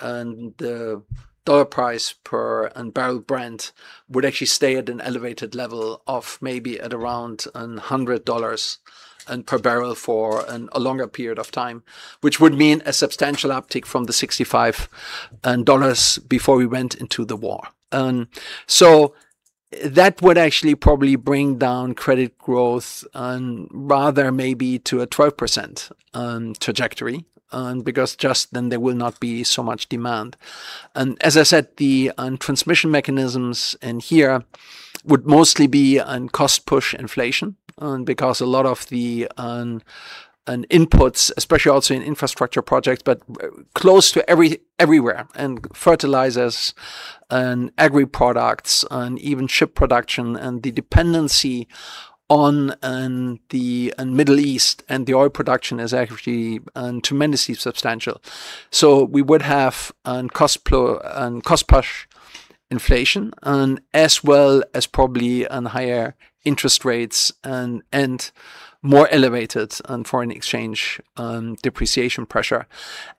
the dollar price per barrel of Brent Crude would actually stay at an elevated level of maybe at around $100 per barrel for a longer period of time, which would mean a substantial uptick from the $65 before we went into the war. That would actually probably bring down credit growth rather maybe to a 12% trajectory because just then there will not be so much demand. As I said, the transmission mechanisms in here would mostly be on cost-push inflation because a lot of the inputs, especially also in infrastructure projects, but close to everywhere, fertilizers and agri-products and even ship production and the dependency on the Middle East and the oil production is actually tremendously substantial. We would have cost-push inflation as well as probably higher interest rates and more elevated foreign exchange depreciation pressure.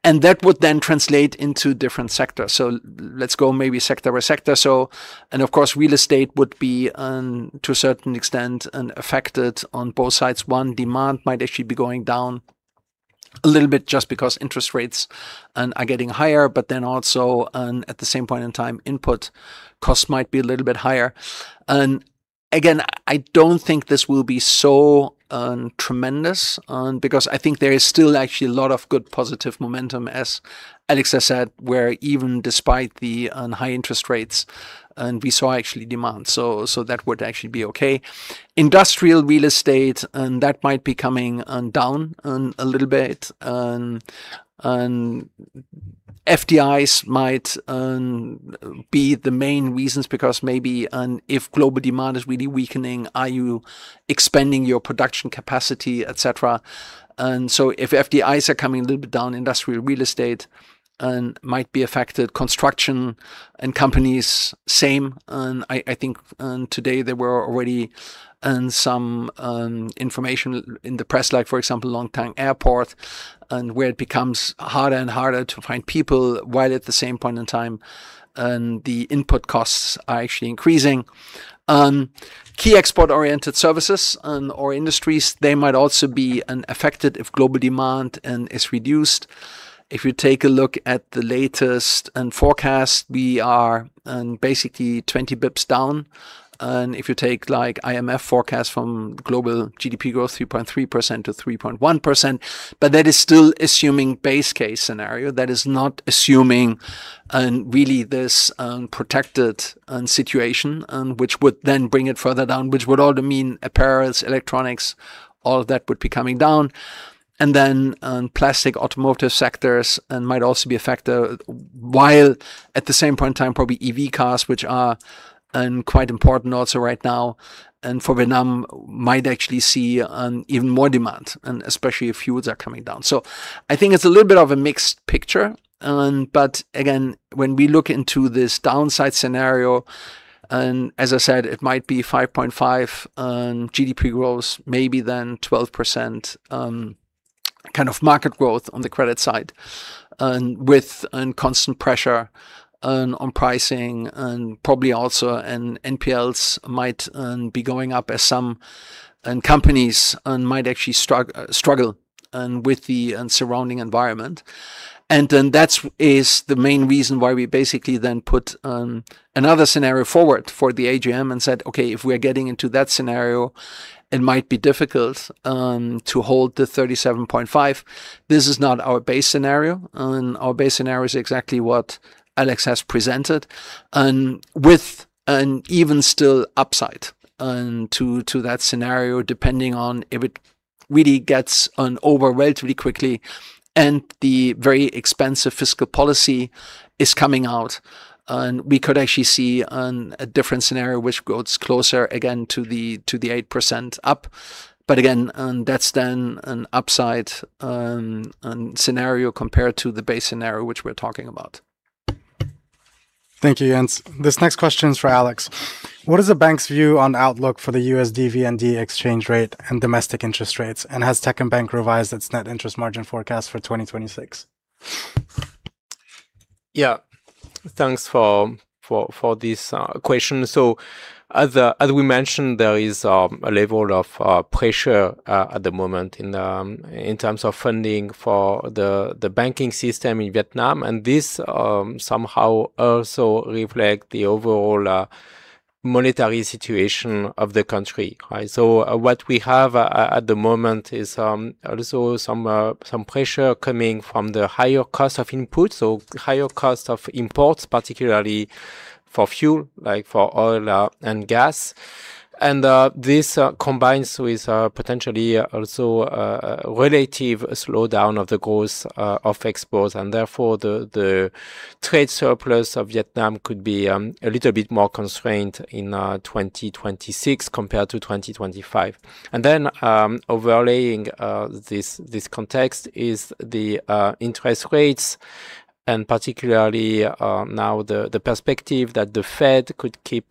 That would then translate into different sectors. Let's go maybe sector by sector. Of course, real estate would be to a certain extent affected on both sides. One, demand might actually be going down a little bit just because interest rates are getting higher. Then also at the same point in time, input costs might be a little bit higher. Again, I don't think this will be so tremendous because I think there is still actually a lot of good positive momentum as Alex has said, where even despite the high interest rates and we saw actually demand. That would actually be okay. Industrial real estate, and that might be coming down a little bit. FDI might be the main reasons because maybe if global demand is really weakening, are you expanding your production capacity, et cetera. If FDIs are coming a little bit down, industrial real estate might be affected. Construction and companies same. I think today there were already some information in the press like for example, Long Thanh Airport and where it becomes harder and harder to find people while at the same point in time the input costs are actually increasing. Key export-oriented services or industries, they might also be affected if global demand is reduced. If you take a look at the latest forecast, we are basically 20 basis points down. If you take IMF forecast from global GDP growth 3.3%-3.1%, but that is still assuming base case scenario. That is not assuming really this protected situation which would then bring it further down, which would also mean apparel, electronics, all of that would be coming down. Plastic, automotive sectors might also be affected while at the same point in time probably EV cars which are quite important also right now and for Vietnam might actually see even more demand especially if fuels are coming down. I think it's a little bit of a mixed picture. Again, when we look into this downside scenario and as I said it might be 5.5% GDP growth maybe then 12% kind of market growth on the credit side with constant pressure on pricing and probably also NPLs might be going up as some companies might actually struggle with the surrounding environment. That is the main reason why we basically then put another scenario forward for the AGM and said, okay, if we're getting into that scenario, it might be difficult to hold the 37.5%. This is not our base scenario. Our base scenario is exactly what Alex has presented, and with an even still upside to that scenario, depending on if it really gets over relatively quickly and the very expensive fiscal policy is coming out, we could actually see a different scenario which goes closer again to the 8% up. Again, that's then an upside scenario compared to the base scenario which we're talking about. Thank you, Jens. This next question is for Alex. What is the bank's view on outlook for the USDVND exchange rate and domestic interest rates, and has Techcombank revised its net interest margin forecast for 2026? Yeah. Thanks for this question. As we mentioned, there is a level of pressure at the moment in terms of funding for the banking system in Vietnam, and this somehow also reflects the overall monetary situation of the country. What we have at the moment is also some pressure coming from the higher cost of input, so higher cost of imports, particularly for fuel, like for oil and gas. This combines with potentially also a relative slowdown of the growth of exports, and therefore the trade surplus of Vietnam could be a little bit more constrained in 2026 compared to 2025. Then overlaying this context is the interest rates, and particularly now the perspective that the Fed could keep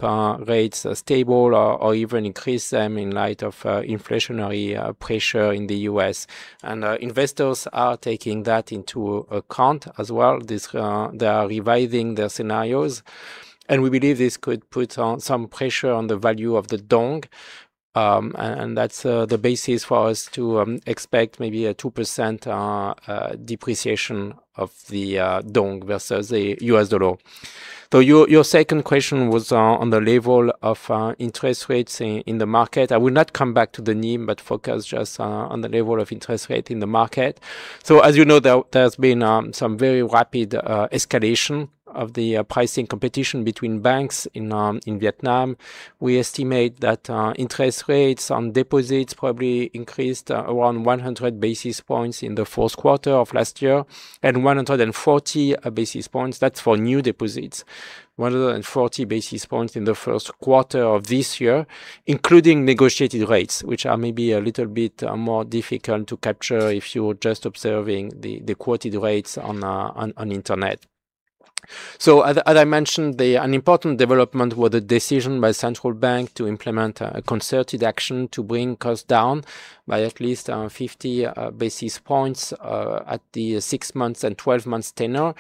rates stable or even increase them in light of inflationary pressure in the U.S., and investors are taking that into account as well. They are revising their scenarios, and we believe this could put some pressure on the value of the dong, and that's the basis for us to expect maybe a 2% depreciation of the dong versus the US dollar. Your second question was on the level of interest rates in the market. I will not come back to the NIM but focus just on the level of interest rate in the market. As you know, there's been some very rapid escalation of the pricing competition between banks in Vietnam. We estimate that interest rates on deposits probably increased around 100 basis points in the fourth quarter of last year, and 140 basis points, that's for new deposits, 140 basis points in the first quarter of this year, including negotiated rates, which are maybe a little bit more difficult to capture if you're just observing the quoted rates on internet. As I mentioned, an important development was the decision by State Bank of Vietnam to implement a concerted action to bring costs down by at least 50 basis points at the six months and 12 months tenor.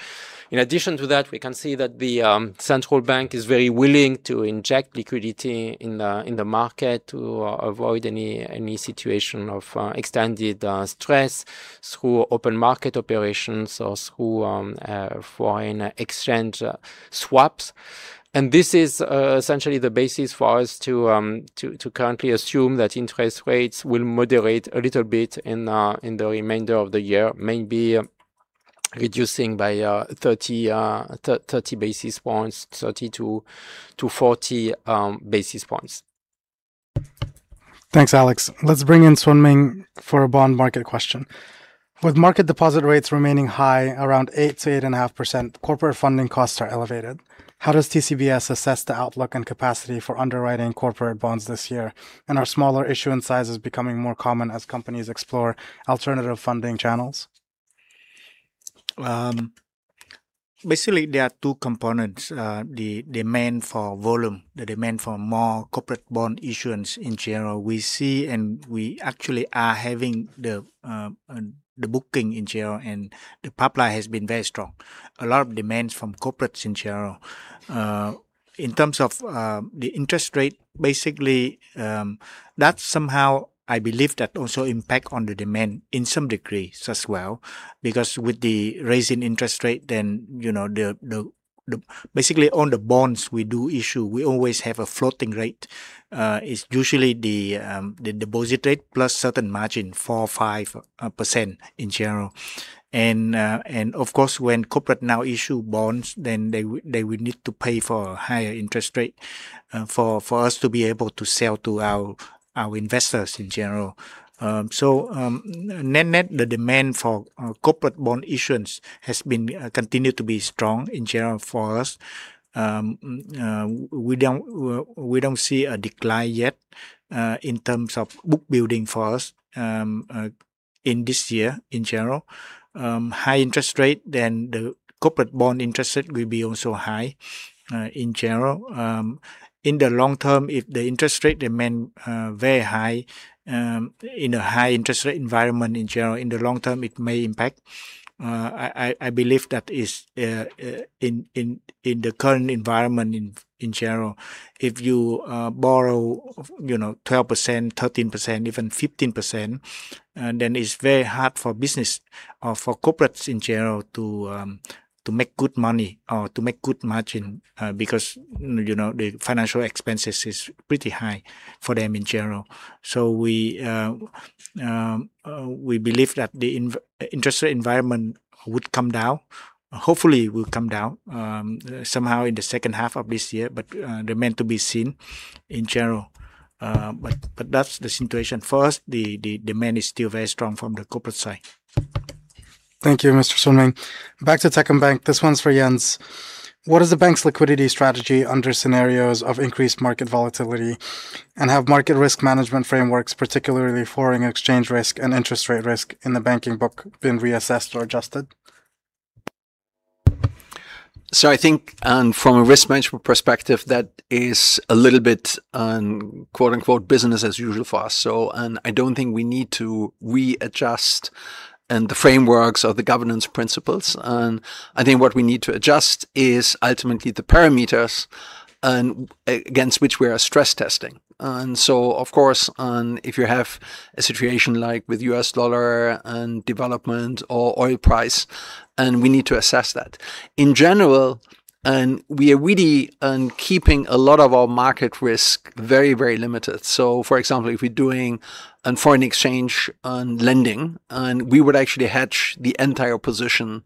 In addition to that, we can see that the State Bank of Vietnam is very willing to inject liquidity in the market to avoid any situation of extended stress through open market operations or through foreign exchange swaps. This is essentially the basis for us to currently assume that interest rates will moderate a little bit in the remainder of the year, maybe reducing by 30 basis points, 30-40 basis points. Thanks, Alex. Let's bring in Nguyễn Xuân Minh for a bond market question. With market deposit rates remaining high around 8%-8.5%, corporate funding costs are elevated. How does TCBS assess the outlook and capacity for underwriting corporate bonds this year? Are smaller issuance sizes becoming more common as companies explore alternative funding channels? Basically, there are two components, the demand for volume, the demand for more corporate bond issuance in general. We see and we actually are having the bookings in general, and the pipeline has been very strong. A lot of demand from corporates in general. In terms of the interest rate, basically, that somehow, I believe that also impacts the demand to some degree as well. Because with the rising interest rate, basically on the bonds we do issue, we always have a floating rate. It's usually the deposit rate plus certain margin 4%, 5% in general. And of course, when corporates now issue bonds, then they will need to pay for a higher interest rate for us to be able to sell to our investors in general. Net, the demand for corporate bond issuance has continued to be strong in general for us. We don't see a decline yet in terms of book building for us in this year in general. Higher interest rates than the corporate bond interest rates will also be high in general. In the long term, if the interest rate remains very high, in a high-interest rate environment in general, in the long term, it may impact. I believe that in the current environment, in general, if you borrow 12%, 13%, even 15%, then it's very hard for business or for corporates, in general, to make good money or to make good margin because the financial expenses is pretty high for them in general. We believe that the interest rate environment would come down. Hopefully will come down somehow in the second half of this year, but it remains to be seen in general. That's the situation. First, the demand is still very strong from the corporate side. Thank you, Mr. Nguyễn Xuân Minh. Back to Techcombank. This one's for Jens. What is the bank's liquidity strategy under scenarios of increased market volatility? Have market risk management frameworks, particularly foreign exchange risk and interest rate risk in the banking book, been reassessed or adjusted? I think from a risk management perspective, that is a little bit "business as usual" for us. I don't think we need to readjust the frameworks or the governance principles. I think what we need to adjust is ultimately the parameters against which we are stress testing. Of course, if you have a situation like with U.S. dollar and VND or oil price, and we need to assess that. In general, we are really keeping a lot of our market risk very limited. For example, if we're doing foreign exchange on lending, we would actually hedge the entire position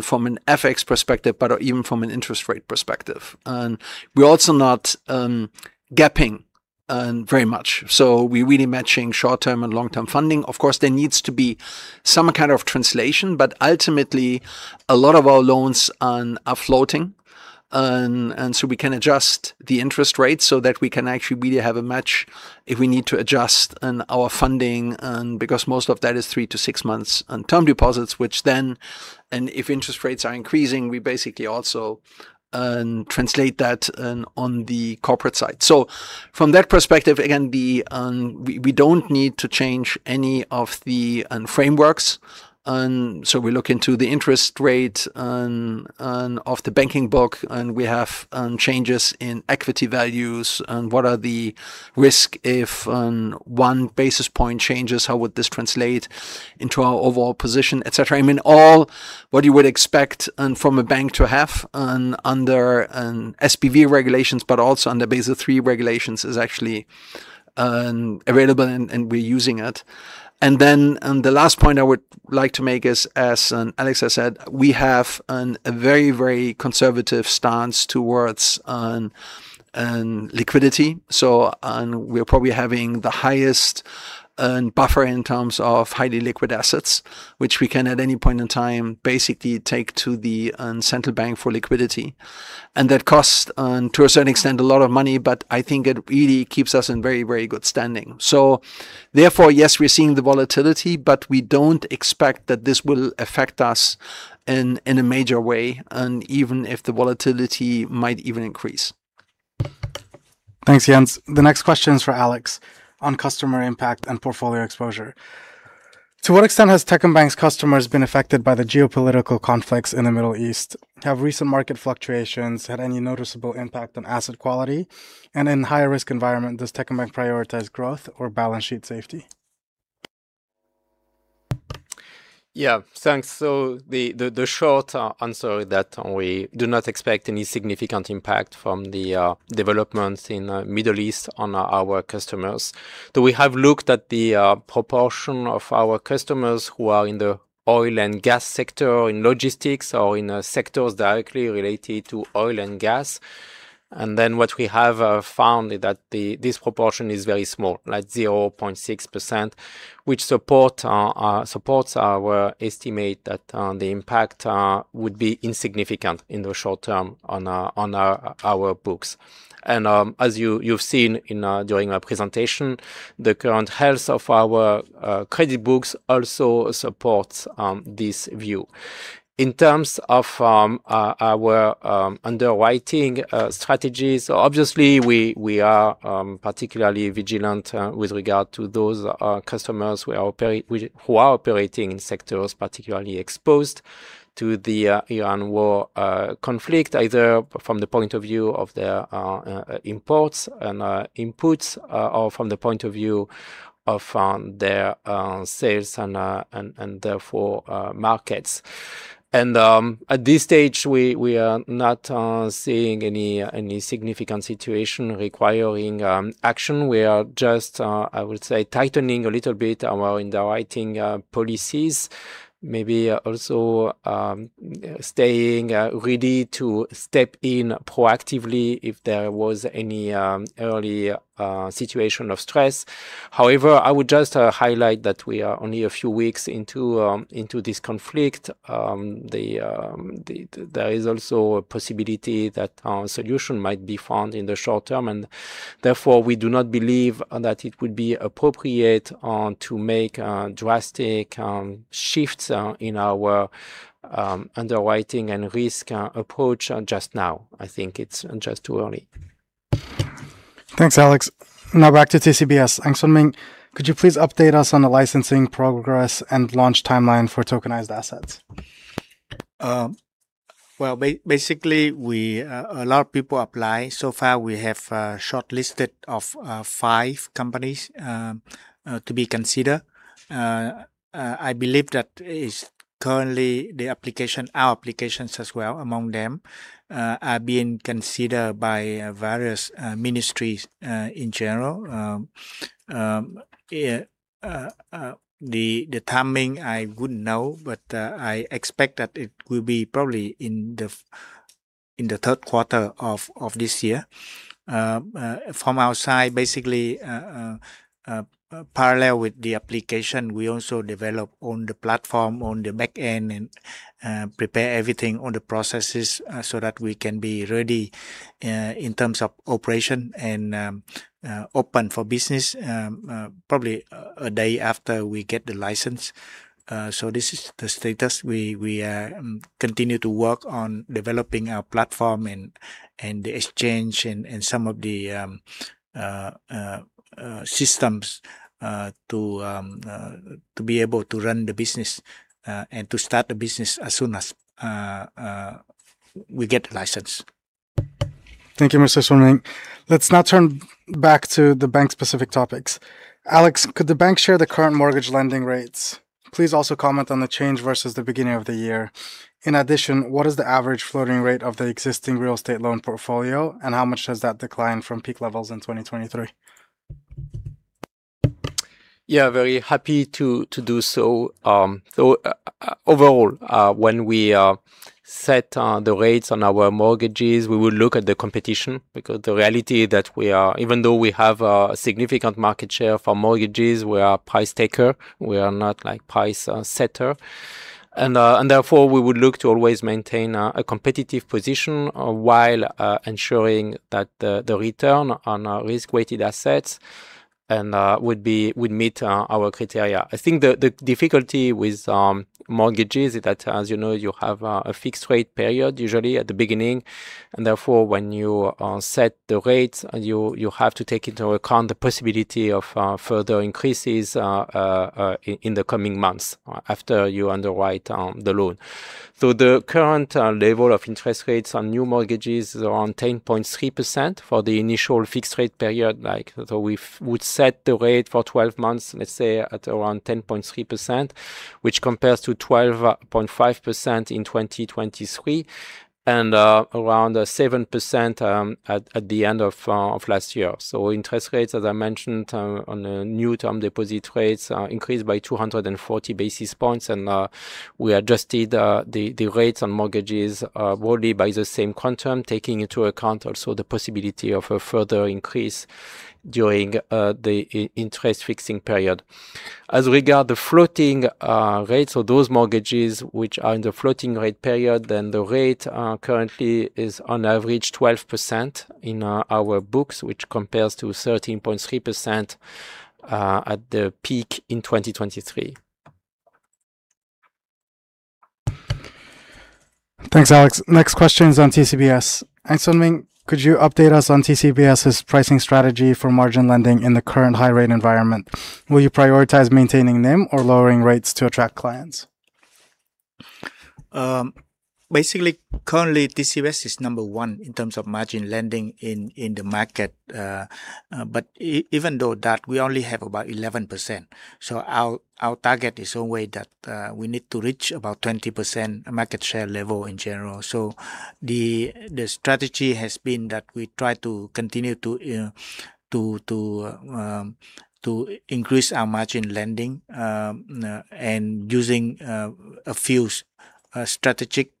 from an FX perspective, but even from an interest rate perspective. We're also not gapping very much, so we're really matching short-term and long-term funding. Of course, there needs to be some kind of translation, but ultimately, a lot of our loans are floating. We can adjust the interest rate so that we can actually really have a match if we need to adjust our funding, because most of that is three to six months term deposits, which then, if interest rates are increasing, we basically also translate that on the corporate side. From that perspective, again, we don't need to change any of the frameworks. We look into the interest rate of the banking book, and we have changes in equity values, and what are the risk if one basis point changes, how would this translate into our overall position, et cetera. I mean, all what you would expect from a bank to have under an SBV regulations, but also under Basel III regulations, is actually available, and we're using it. Then the last point I would like to make is, as Alex has said, we have a very conservative stance towards liquidity. We're probably having the highest buffer in terms of highly liquid assets, which we can, at any point in time, basically take to the central bank for liquidity. That costs, to a certain extent, a lot of money, but I think it really keeps us in very good standing. Therefore, yes, we're seeing the volatility, but we don't expect that this will affect us in a major way, even if the volatility might even increase. Thanks, Jens. The next question is for Alex on customer impact and portfolio exposure. To what extent has Techcombank's customers been affected by the geopolitical conflicts in the Middle East? Have recent market fluctuations had any noticeable impact on asset quality? In higher risk environment, does Techcombank prioritize growth or balance sheet safety? Yeah. Thanks. The short answer is that we do not expect any significant impact from the developments in Middle East on our customers. We have looked at the proportion of our customers who are in the oil and gas sector, in logistics, or in sectors directly related to oil and gas. Then what we have found is that this proportion is very small, like 0.6%, which supports our estimate that the impact would be insignificant in the short term on our books. As you've seen during our presentation, the current health of our credit books also supports this view. In terms of our underwriting strategies, obviously, we are particularly vigilant with regard to those customers who are operating in sectors particularly exposed to the Iran war conflict, either from the point of view of their imports and inputs, or from the point of view of their sales and therefore markets. At this stage, we are not seeing any significant situation requiring action. We are just, I would say, tightening a little bit our underwriting policies, maybe also staying ready to step in proactively if there was any early situation of stress. However, I would just highlight that we are only a few weeks into this conflict. There is also a possibility that a solution might be found in the short term, and therefore we do not believe that it would be appropriate to make drastic shifts in our underwriting and risk approach just now. I think it's just too early. Thanks, Alex. Now back to TCBS. Nguyễn Xuân Minh, could you please update us on the licensing progress and launch timeline for tokenized assets? Well, basically, a lot of people apply. So far, we have a shortlist of five companies to be considered. I believe that currently our applications as well among them are being considered by various ministries in general. The timing I wouldn't know, but I expect that it will be probably in the third quarter of this year. From our side, basically, parallel with the application, we also develop on the platform on the back end and prepare everything on the processes so that we can be ready in terms of operation and open for business probably a day after we get the license. This is the status. We continue to work on developing our platform and the exchange and some of the systems to be able to run the business, and to start the business as soon as we get the license. Thank you, Mr. Nguyễn Xuân Minh. Let's now turn back to the bank-specific topics. Alex, could the bank share the current mortgage lending rates? Please also comment on the change versus the beginning of the year. In addition, what is the average floating rate of the existing real estate loan portfolio, and how much has that declined from peak levels in 2023? Yeah, very happy to do so. Overall, when we set the rates on our mortgages, we will look at the competition because the reality is that even though we have a significant market share for mortgages, we are a price taker, we are not price setter. Therefore, we would look to always maintain a competitive position while ensuring that the return on our risk-weighted assets would meet our criteria. I think the difficulty with mortgages is that, as you know, you have a fixed rate period usually at the beginning, and therefore, when you set the rates, you have to take into account the possibility of further increases in the coming months after you underwrite the loan. The current level of interest rates on new mortgages is around 10.3% for the initial fixed rate period. We would set the rate for 12 months, let's say, at around 10.3%, which compares to 12.5% in 2023 and around 7% at the end of last year. Interest rates, as I mentioned on the new term deposit rates, increased by 240 basis points, and we adjusted the rates on mortgages broadly by the same quantum, taking into account also the possibility of a further increase during the interest fixing period. As regards the floating rates or those mortgages which are in the floating rate period, then the rate currently is on average 12% in our books, which compares to 13.3% at the peak in 2023. Thanks, Alex. Next question is on TCBS. Nguyễn Xuân Minh, could you update us on TCBS' pricing strategy for margin lending in the current high-rate environment? Will you prioritize maintaining NIM or lowering rates to attract clients? Basically, currently, TCBS is number one in terms of margin lending in the market. Even though that, we only have about 11%. Our target is always that we need to reach about 20% market share level in general. The strategy has been that we try to continue to increase our margin lending and using a few strategic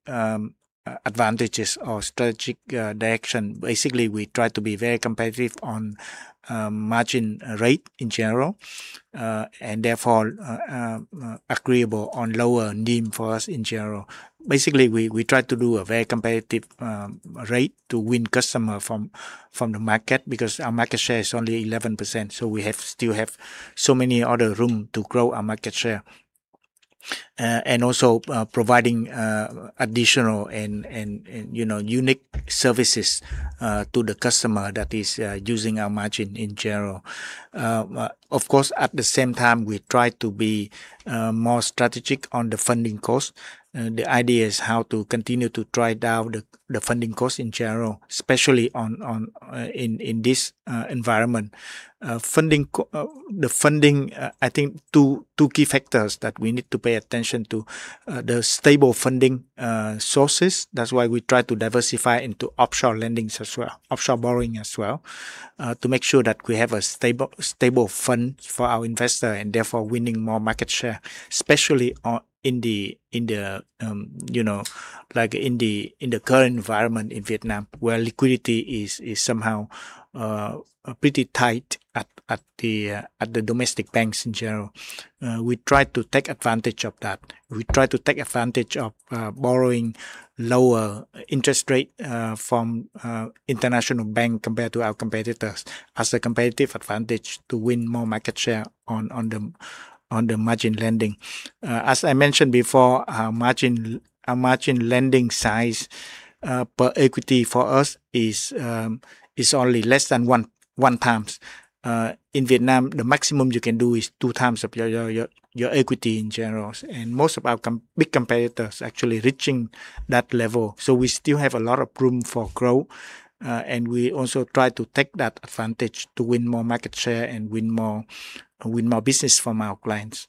advantages or strategic direction. Basically, we try to be very competitive on margin rate in general, and therefore, agreeable on lower NIM for us in general. Basically, we try to do a very competitive rate to win customer from the market because our market share is only 11%, so we have so many other room to grow our market share. Also providing additional and unique services to the customer that is using our margin in general. Of course, at the same time, we try to be more strategic on the funding cost. The idea is how to continue to drive down the funding cost in general, especially in this environment. The funding, I think, two key factors that we need to pay attention to. The stable funding sources. That's why we try to diversify into offshore lending as well, offshore borrowing as well, to make sure that we have a stable funding for our investors and therefore winning more market share, especially in the current environment in Vietnam, where liquidity is somehow pretty tight at the domestic banks in general. We try to take advantage of that. We try to take advantage of borrowing lower interest rates from international banks compared to our competitors as a competitive advantage to win more market share on the margin lending. As I mentioned before, our margin lending size per equity for us is only less than 1x. In Vietnam, the maximum you can do is 2x of your equity in general, and most of our big competitors are actually reaching that level. We still have a lot of room for growth, and we also try to take that advantage to win more market share and win more business from our clients.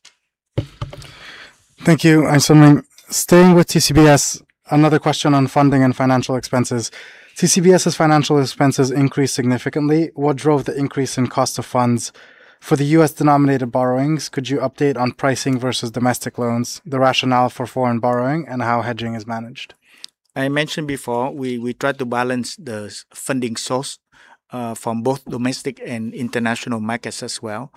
Thank you, Nguyễn Xuân Minh. Staying with TCBS, another question on funding and financial expenses. TCBS's financial expenses increased significantly. What drove the increase in cost of funds? For the U.S.-denominated borrowings, could you update on pricing versus domestic loans, the rationale for foreign borrowing, and how hedging is managed? I mentioned before, we try to balance the funding source from both domestic and international markets as well.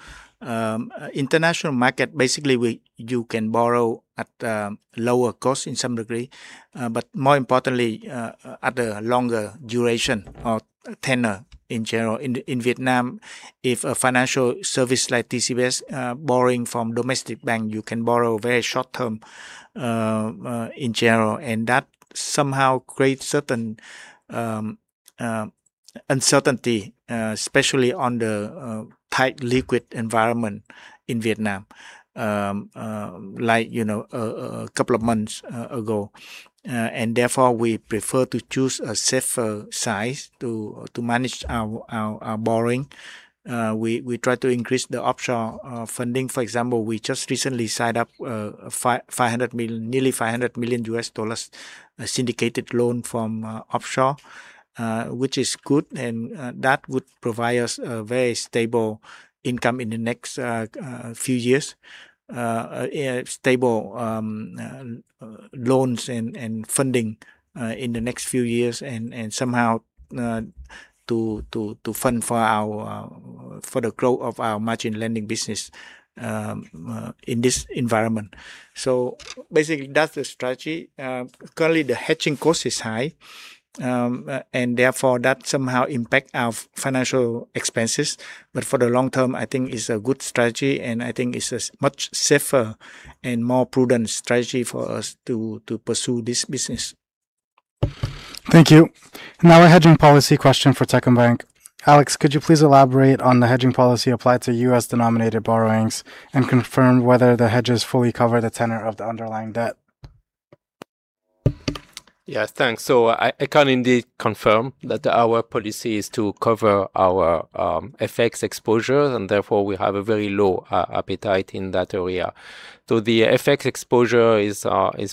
International market, basically, you can borrow at lower cost in some degree, but more importantly, at a longer duration or tenure in general. In Vietnam, if a financial service like TCBS borrowing from domestic bank, you can borrow very short-term in general, and that somehow creates certain uncertainty, especially on the tight liquidity environment in Vietnam, like a couple of months ago. Therefore, we prefer to choose a safer side to manage our borrowing. We try to increase the offshore funding. For example, we just recently signed a nearly $500 million syndicated loan from offshore, which is good, and that would provide us a very stable income in the next few years, stable loans and funding in the next few years, and somehow to fund for the growth of our margin lending business in this environment. Basically, that's the strategy. Currently, the hedging cost is high, and therefore that somehow impacts our financial expenses. For the long term, I think it's a good strategy, and I think it's a much safer and more prudent strategy for us to pursue this business. Thank you. Now a hedging policy question for Techcombank. Alex, could you please elaborate on the hedging policy applied to U.S.-denominated borrowings and confirm whether the hedges fully cover the tenor of the underlying debt? Yes, thanks. I can indeed confirm that our policy is to cover our FX exposure, and therefore we have a very low appetite in that area. The FX exposure is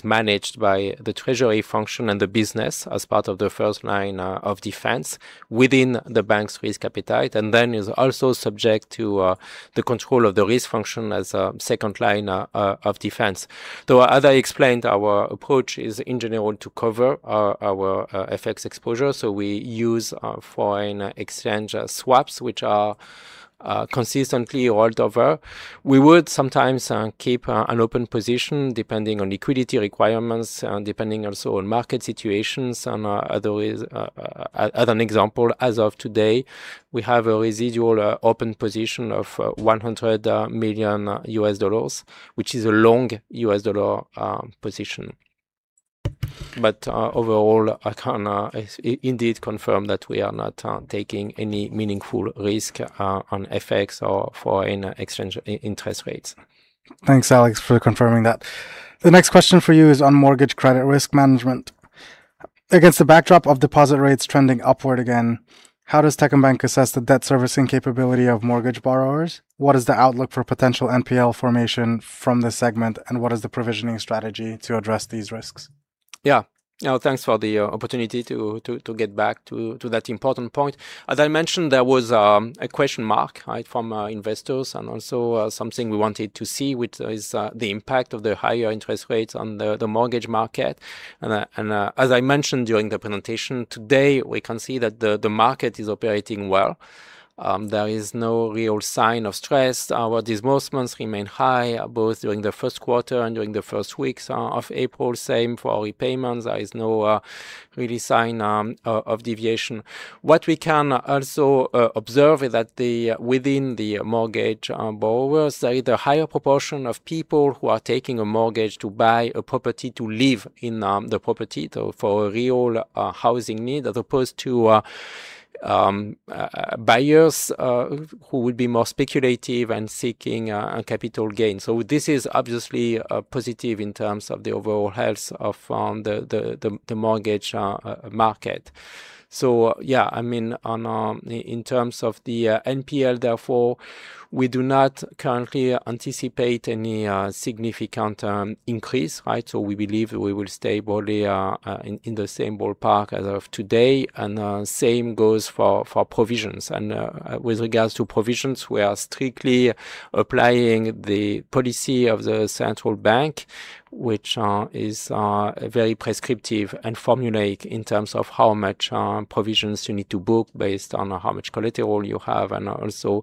managed by the treasury function and the business as part of the first line of defense within the bank's risk appetite and then is also subject to the control of the risk function as a second line of defense. Though, as I explained, our approach is engineered to cover our FX exposure, so we use foreign exchange swaps, which are consistently rolled over. We would sometimes keep an open position depending on liquidity requirements and depending also on market situations, and other ways. As an example, as of today, we have a residual open position of $100 million, which is a long US dollar position. Overall, I can indeed confirm that we are not taking any meaningful risk on FX or foreign exchange interest rates. Thanks, Alex, for confirming that. The next question for you is on mortgage credit risk management. Against the backdrop of deposit rates trending upward again, how does Techcombank assess the debt servicing capability of mortgage borrowers? What is the outlook for potential NPL formation from this segment, and what is the provisioning strategy to address these risks? Yeah. Thanks for the opportunity to get back to that important point. As I mentioned, there was a question mark from investors and also something we wanted to see, which is the impact of the higher interest rates on the mortgage market. As I mentioned during the presentation today, we can see that the market is operating well. There is no real sign of stress. Our disbursements remain high, both during the first quarter and during the first weeks of April. Same for our repayments. There is no real sign of deviation. What we can also observe is that within the mortgage borrowers, there is a higher proportion of people who are taking a mortgage to buy a property to live in the property, so for a real housing need as opposed to buyers who would be more speculative and seeking a capital gain. This is obviously positive in terms of the overall health of the mortgage market. Yeah, in terms of the NPL therefore, we do not currently anticipate any significant increase. We believe we will stay broadly in the same ballpark as of today and same goes for provisions. With regards to provisions, we are strictly applying the policy of the central bank, which is very prescriptive and formulaic in terms of how much provisions you need to book based on how much collateral you have and also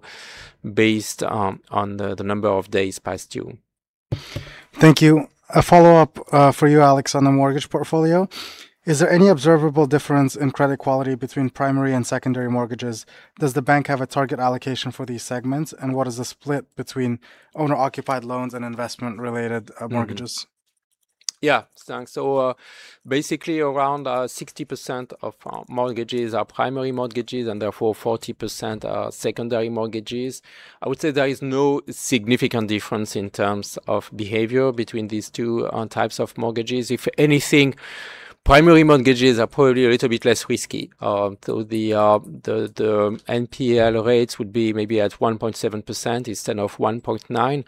based on the number of days past due. Thank you. A follow-up for you, Alex, on the mortgage portfolio. Is there any observable difference in credit quality between primary and secondary mortgages? Does the bank have a target allocation for these segments, and what is the split between owner-occupied loans and investment-related mortgages? Yeah, thanks. Basically around 60% of our mortgages are primary mortgages, and therefore 40% are secondary mortgages. I would say there is no significant difference in terms of behavior between these two types of mortgages. If anything, primary mortgages are probably a little bit less risky, though the NPL rates would be maybe at 1.7% instead of 1.9%.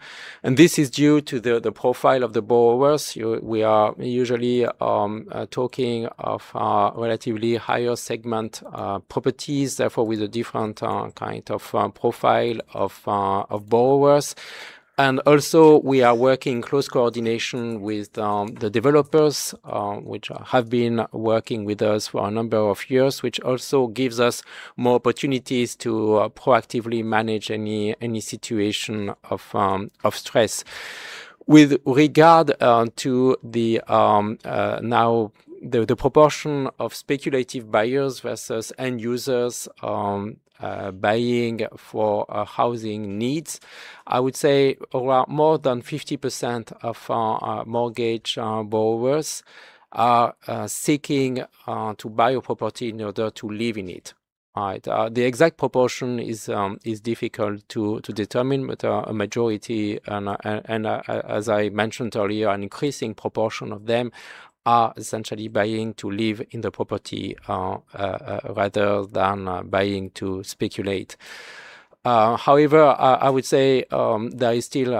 This is due to the profile of the borrowers. We are usually talking of relatively higher segment properties, therefore, with a different kind of profile of borrowers. We are working in close coordination with the developers, which have been working with us for a number of years, which also gives us more opportunities to proactively manage any situation of stress. With regard to the proportion of speculative buyers versus end users buying for housing needs, I would say more than 50% of our mortgage borrowers are seeking to buy a property in order to live in it. The exact proportion is difficult to determine, but a majority, and as I mentioned earlier, an increasing proportion of them are essentially buying to live in the property rather than buying to speculate. However, I would say there is still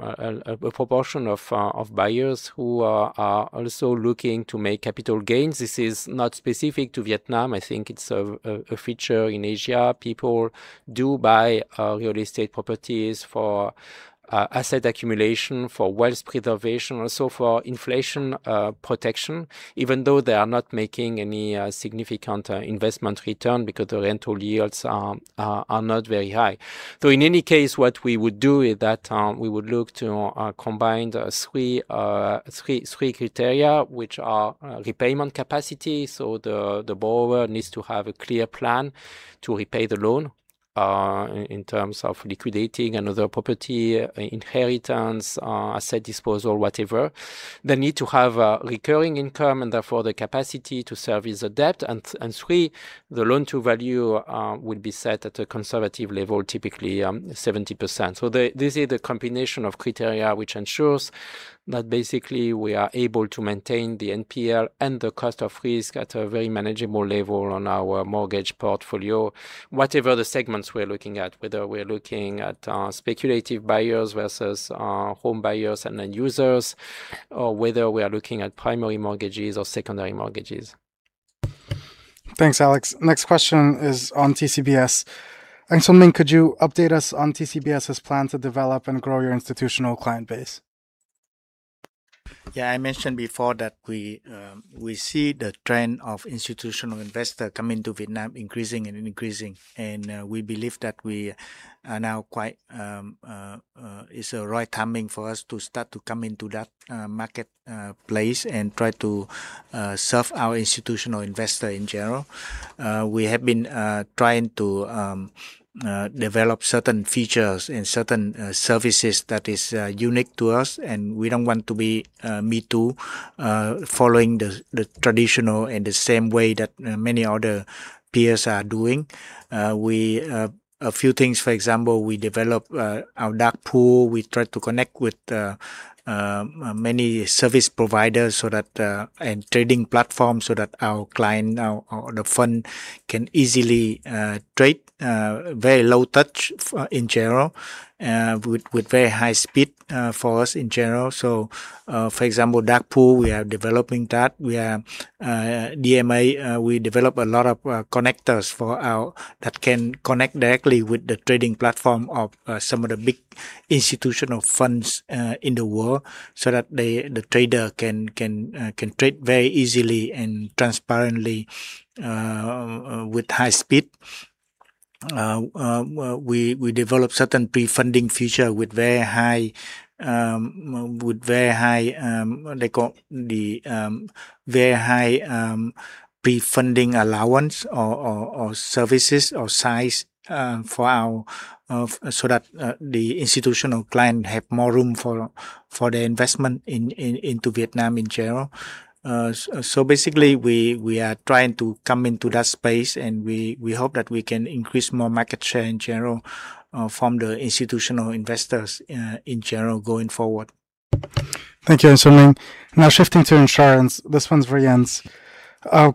a proportion of buyers who are also looking to make capital gains. This is not specific to Vietnam. I think it's a feature in Asia. People do buy real estate properties for asset accumulation, for wealth preservation, also for inflation protection, even though they are not making any significant investment return because the rental yields are not very high. In any case, what we would do is that we would look to combine the three criteria, which are repayment capacity, so the borrower needs to have a clear plan to repay the loan, in terms of liquidating another property, inheritance, asset disposal, whatever. They need to have a recurring income, and therefore the capacity to service the debt. And three, the loan-to-value would be set at a conservative level, typically, 70%. This is the combination of criteria which ensures that basically we are able to maintain the NPL and the cost of risk at a very manageable level on our mortgage portfolio, whatever the segments we're looking at, whether we're looking at speculative buyers versus home buyers and end users, or whether we are looking at primary mortgages or secondary mortgages. Thanks, Alex. Next question is on TCBS. Nguyễn Xuân Minh, could you update us on TCBS's plan to develop and grow your institutional client base? Yeah, I mentioned before that we see the trend of institutional investor coming to Vietnam increasing and increasing. We believe that it's a right timing for us to start to come into that marketplace and try to serve our institutional investor in general. We have been trying to develop certain features and certain services that is unique to us, and we don't want to be me too, following the traditional in the same way that many other peers are doing. A few things, for example, we develop our dark pool. We try to connect with many service providers and trading platforms so that our client, the fund, can easily trade very low touch in general, with very high speed for us in general. For example, dark pool, we are developing that. DMA, we develop a lot of connectors that can connect directly with the trading platform of some of the big institutional funds in the world so that the trader can trade very easily and transparently with high speed. We develop certain Prefunding feature with very high Prefunding allowance or services or size so that the institutional client have more room for their investment into Vietnam in general. Basically, we are trying to come into that space, and we hope that we can increase more market share in general from the institutional investors in general going forward. Thank you, Nguyễn Xuân Minh. Now shifting to insurance. This one's for Jens.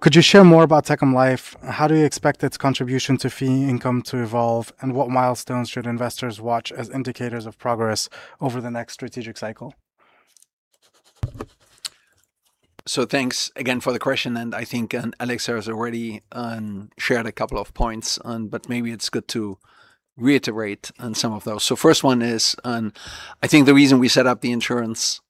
Could you share more about Techcom Life? How do you expect its contribution to fee income to evolve, and what milestones should investors watch as indicators of progress over the next strategic cycle? Thanks again for the question, and I think Alex has already shared a couple of points, but maybe it's good to reiterate on some of those. First one is, I think the reason we set up the insurance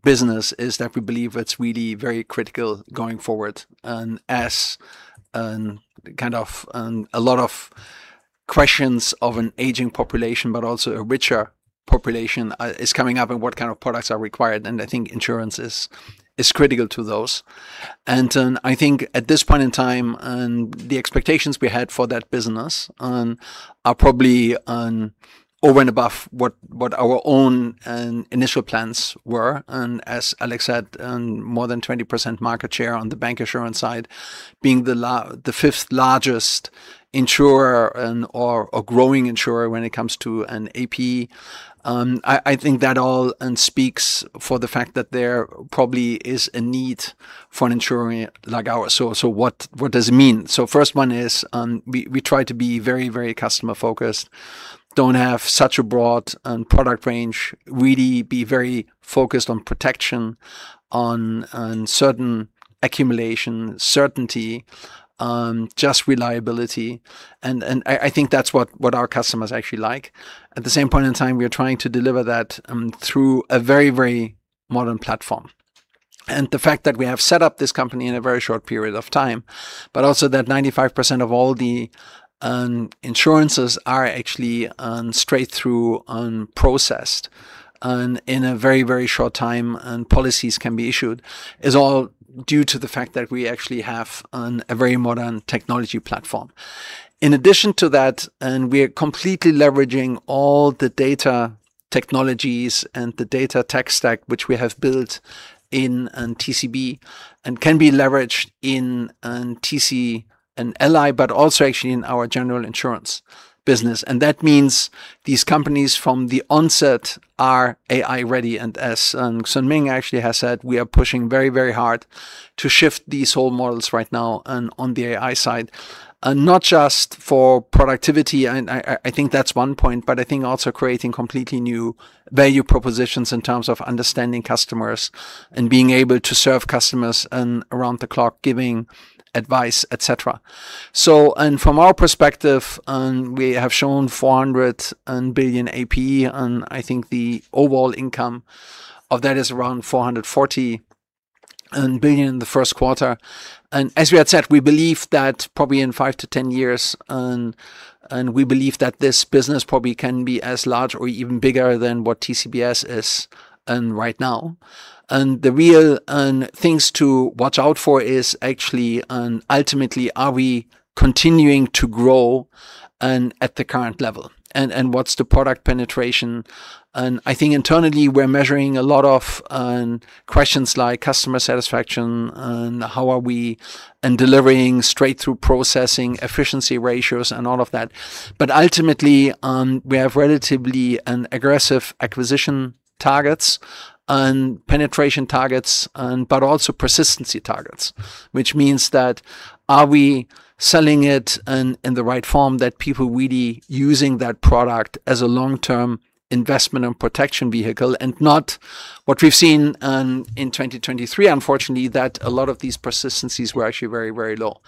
business is that we believe it's really very critical going forward as a lot of questions of an aging population, but also a richer population is coming up and what kind of products are required, and I think insurance is critical to those. I think at this point in time, and the expectations we had for that business are probably over and above what our own initial plans were. As Alex said, more than 20% market share on the bank insurance side, being the fifth largest insurer and/or a growing insurer when it comes to an APE. I think that all speaks for the fact that there probably is a need for an insurer like ours. What does it mean? First one is, we try to be very customer focused, don't have such a broad product range, really be very focused on protection and certain accumulation, certainty, just reliability, and I think that's what our customers actually like. At the same point in time, we are trying to deliver that through a very modern platform. The fact that we have set up this company in a very short period of time, but also that 95% of all the insurances are actually straight through and processed and in a very short time, and policies can be issued, is all due to the fact that we actually have a very modern technology platform. In addition to that, we are completely leveraging all the data technologies and the data tech stack, which we have built in TCB and can be leveraged in TC and Ally, but also actually in our general insurance business. That means these companies from the onset are AI ready, and as Nguyễn Xuân Minh actually has said, we are pushing very hard to shift these whole models right now on the AI side. Not just for productivity, I think that's one point, but I think also creating completely new value propositions in terms of understanding customers and being able to serve customers around the clock, giving advice, et cetera. From our perspective, we have shown 400 billion APE, and I think the overall income of that is around 440 billion in the first quarter. As we had said, we believe that probably in five to 10 years, and we believe that this business probably can be as large or even bigger than what TCBS is right now. The real things to watch out for is actually, ultimately, are we continuing to grow at the current level? What's the product penetration? I think internally we're measuring a lot of questions like customer satisfaction and how are we delivering straight through processing efficiency ratios and all of that. Ultimately, we have relatively aggressive acquisition targets and penetration targets, but also persistency targets. Which means that are we selling it in the right form that people are really using that product as a long-term investment and protection vehicle and not what we've seen in 2023, unfortunately, that a lot of these persistencies were actually very low.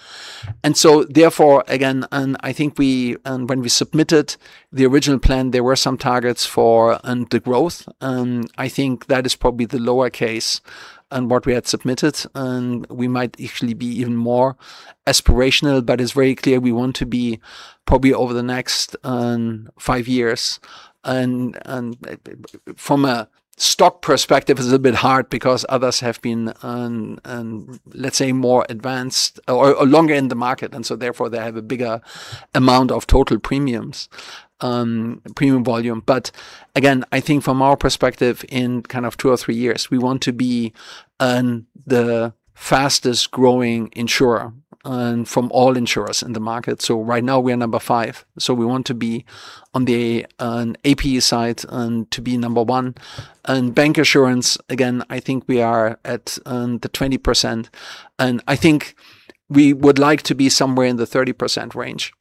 Therefore, again, I think when we submitted the original plan, there were some targets for the growth. I think that is probably the lower end and what we had submitted, and we might actually be even more aspirational, but it's very clear we want to be, probably over the next five years. From a stock perspective is a bit hard because others have been, let's say, more advanced or longer in the market, and so therefore they have a bigger amount of total premiums, premium volume. Again, I think from our perspective, in two or three years, we want to be the fastest growing insurer from all insurers in the market. Right now, we're number five, so we want to be on the APE side and to be number one. In bancassurance, again, I think we are at the 20%, and I think we would like to be somewhere in the 30% range.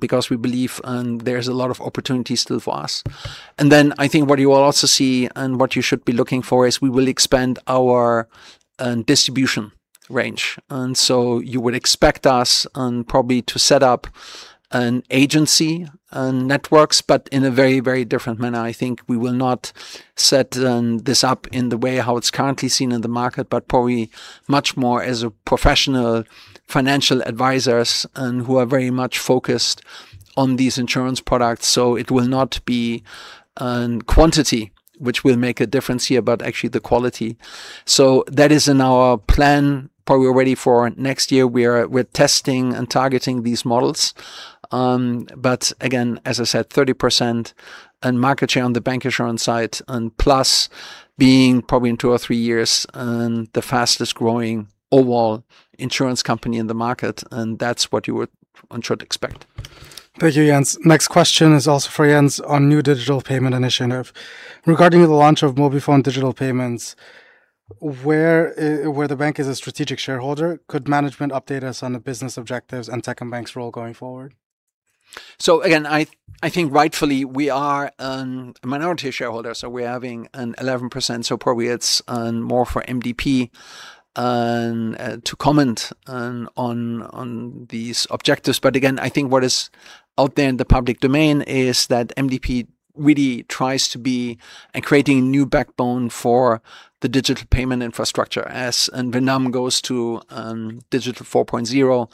Because we believe there's a lot of opportunity still for us. Then I think what you will also see and what you should be looking for is we will expand our distribution range. You would expect us probably to set up an agency networks, but in a very different manner. I think we will not set this up in the way how it's currently seen in the market, but probably much more as a professional financial advisor and who are very much focused on these insurance products. It will not be quantity which will make a difference here, but actually the quality. That is in our plan, probably ready for next year. We're testing and targeting these models. Again, as I said, 30% in market share on the bank insurance side and plus being probably in two or three years, the fastest growing overall insurance company in the market, and that's what you would and should expect. Thank you, Jens. Next question is also for Jens on new digital payment initiative. Regarding the launch of MobiFone Digital Payment JSC, where the bank is a strategic shareholder, could management update us on the business objectives and Techcombank's role going forward? Again, I think rightfully we are a minority shareholder, so we're having an 11%, so probably it's more for MDP to comment on these objectives. Again, I think what is out there in the public domain is that MDP really tries to be in creating new backbone for the digital payment infrastructure as Vietnam goes to Digital 4.0.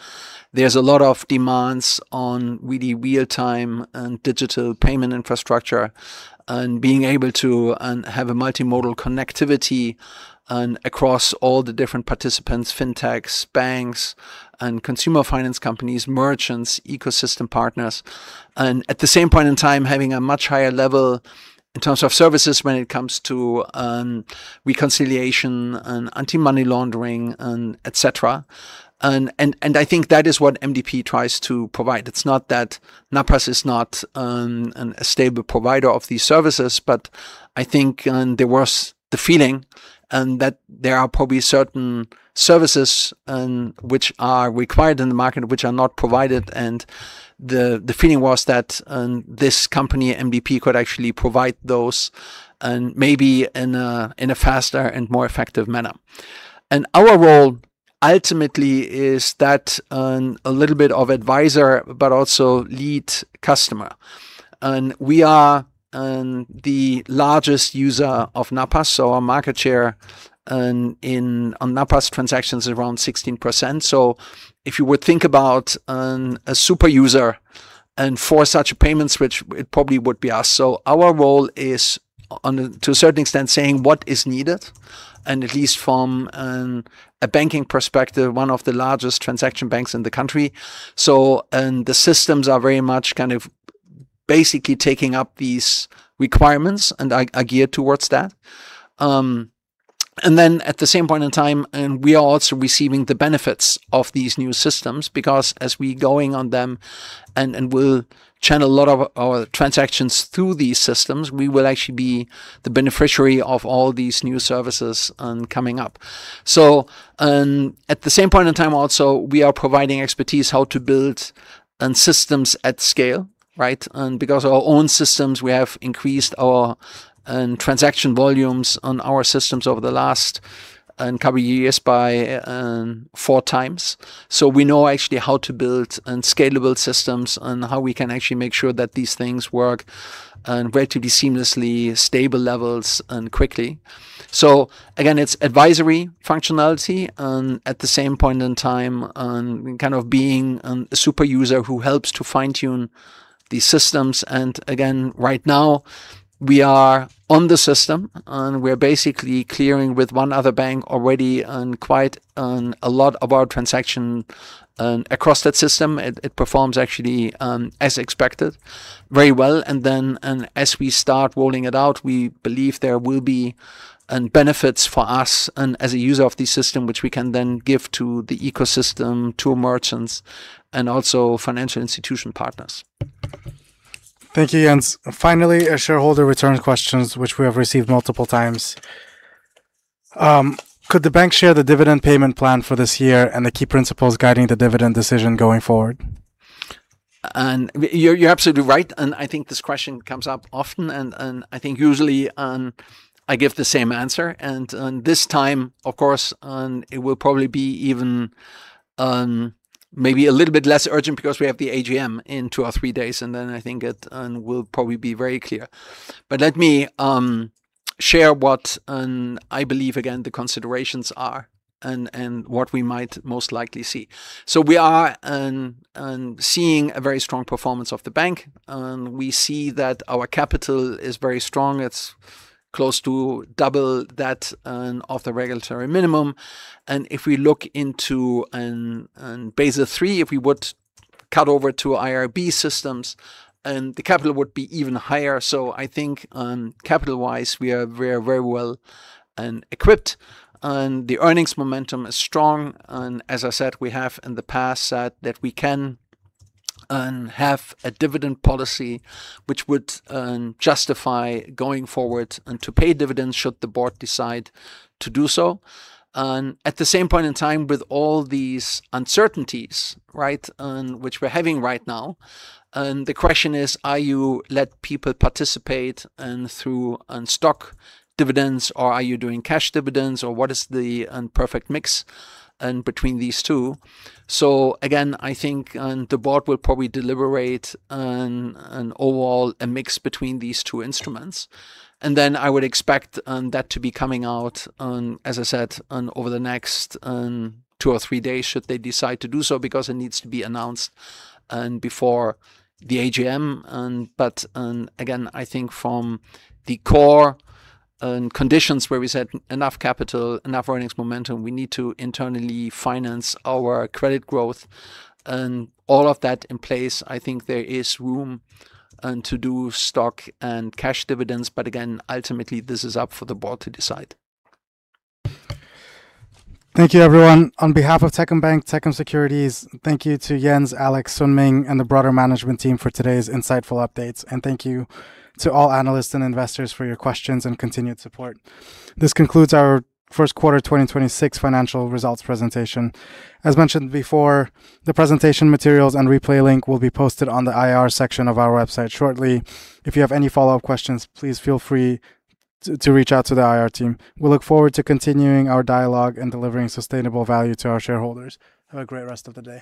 There's a lot of demands on really real-time and digital payment infrastructure and being able to have a multimodal connectivity across all the different participants, fintechs, banks and consumer finance companies, merchants, ecosystem partners. At the same point in time, having a much higher level in terms of services when it comes to reconciliation and anti-money laundering, et cetera. I think that is what MDP tries to provide. It's not that NAPAS is not a stable provider of these services, but I think there was the feeling and that there are probably certain services which are required in the market which are not provided, and the feeling was that this company, MDP, could actually provide those and maybe in a faster and more effective manner. Our role ultimately is that a little bit of advisor but also lead customer. We are the largest user of NAPAS. Our market share on NAPAS transactions is around 16%. If you would think about a super user and for such payments, which it probably would be us. Our role is to a certain extent saying what is needed and at least from a banking perspective, one of the largest transaction banks in the country. The systems are very much kind of basically taking up these requirements and are geared towards that. At the same point in time, we are also receiving the benefits of these new systems because as we going on them and we'll channel a lot of our transactions through these systems, we will actually be the beneficiary of all these new services coming up. At the same point in time also, we are providing expertise how to build systems at scale, right? Our own systems, we have increased our transaction volumes on our systems over the last couple years by four times. We know actually how to build scalable systems and how we can actually make sure that these things work and relatively seamlessly stable levels and quickly. Again, it's advisory functionality and at the same point in time kind of being a super user who helps to fine-tune these systems. Again, right now we are on the system, and we are basically clearing with one other bank already and quite a lot of our transaction across that system. It performs actually as expected very well. Then as we start rolling it out, we believe there will be benefits for us as a user of the system, which we can then give to the ecosystem, to merchants and also financial institution partners. Thank you, Jens. Finally, a shareholder return question which we have received multiple times. Could the bank share the dividend payment plan for this year and the key principles guiding the dividend decision going forward? You're absolutely right, and I think this question comes up often, and I think usually I give the same answer. This time, of course, it will probably be even maybe a little bit less urgent because we have the AGM in two or three days, and then I think it will probably be very clear. Let me share what I believe again the considerations are and what we might most likely see. We are seeing a very strong performance of the bank, and we see that our capital is very strong. It's close to double that of the regulatory minimum. If we look into Basel III, if we would cut over to IRB systems and the capital would be even higher. I think capital-wise we are very well equipped and the earnings momentum is strong. As I said, we have in the past said that we can have a dividend policy which would justify going forward and to pay dividends should the board decide to do so. At the same point in time with all these uncertainties, right, which we're having right now, the question is, are you let people participate through stock dividends or are you doing cash dividends or what is the perfect mix between these two? Again, I think the board will probably deliberate on an overall mix between these two instruments, and then I would expect that to be coming out on, as I said, over the next two or three days should they decide to do so because it needs to be announced before the AGM. Again, I think from the core conditions where we said enough capital, enough earnings momentum, we need to internally finance our credit growth and all of that in place, I think there is room to do stock and cash dividends. Again, ultimately this is up for the board to decide. Thank you everyone. On behalf of Techcombank, Techcom Securities, thank you to Jens, Alex, Nguyễn Xuân Minh, and the broader management team for today's insightful updates. Thank you to all analysts and investors for your questions and continued support. This concludes our first quarter 2026 financial results presentation. As mentioned before, the presentation materials and replay link will be posted on the IR section of our website shortly. If you have any follow-up questions, please feel free to reach out to the IR team. We look forward to continuing our dialogue and delivering sustainable value to our shareholders. Have a great rest of the day.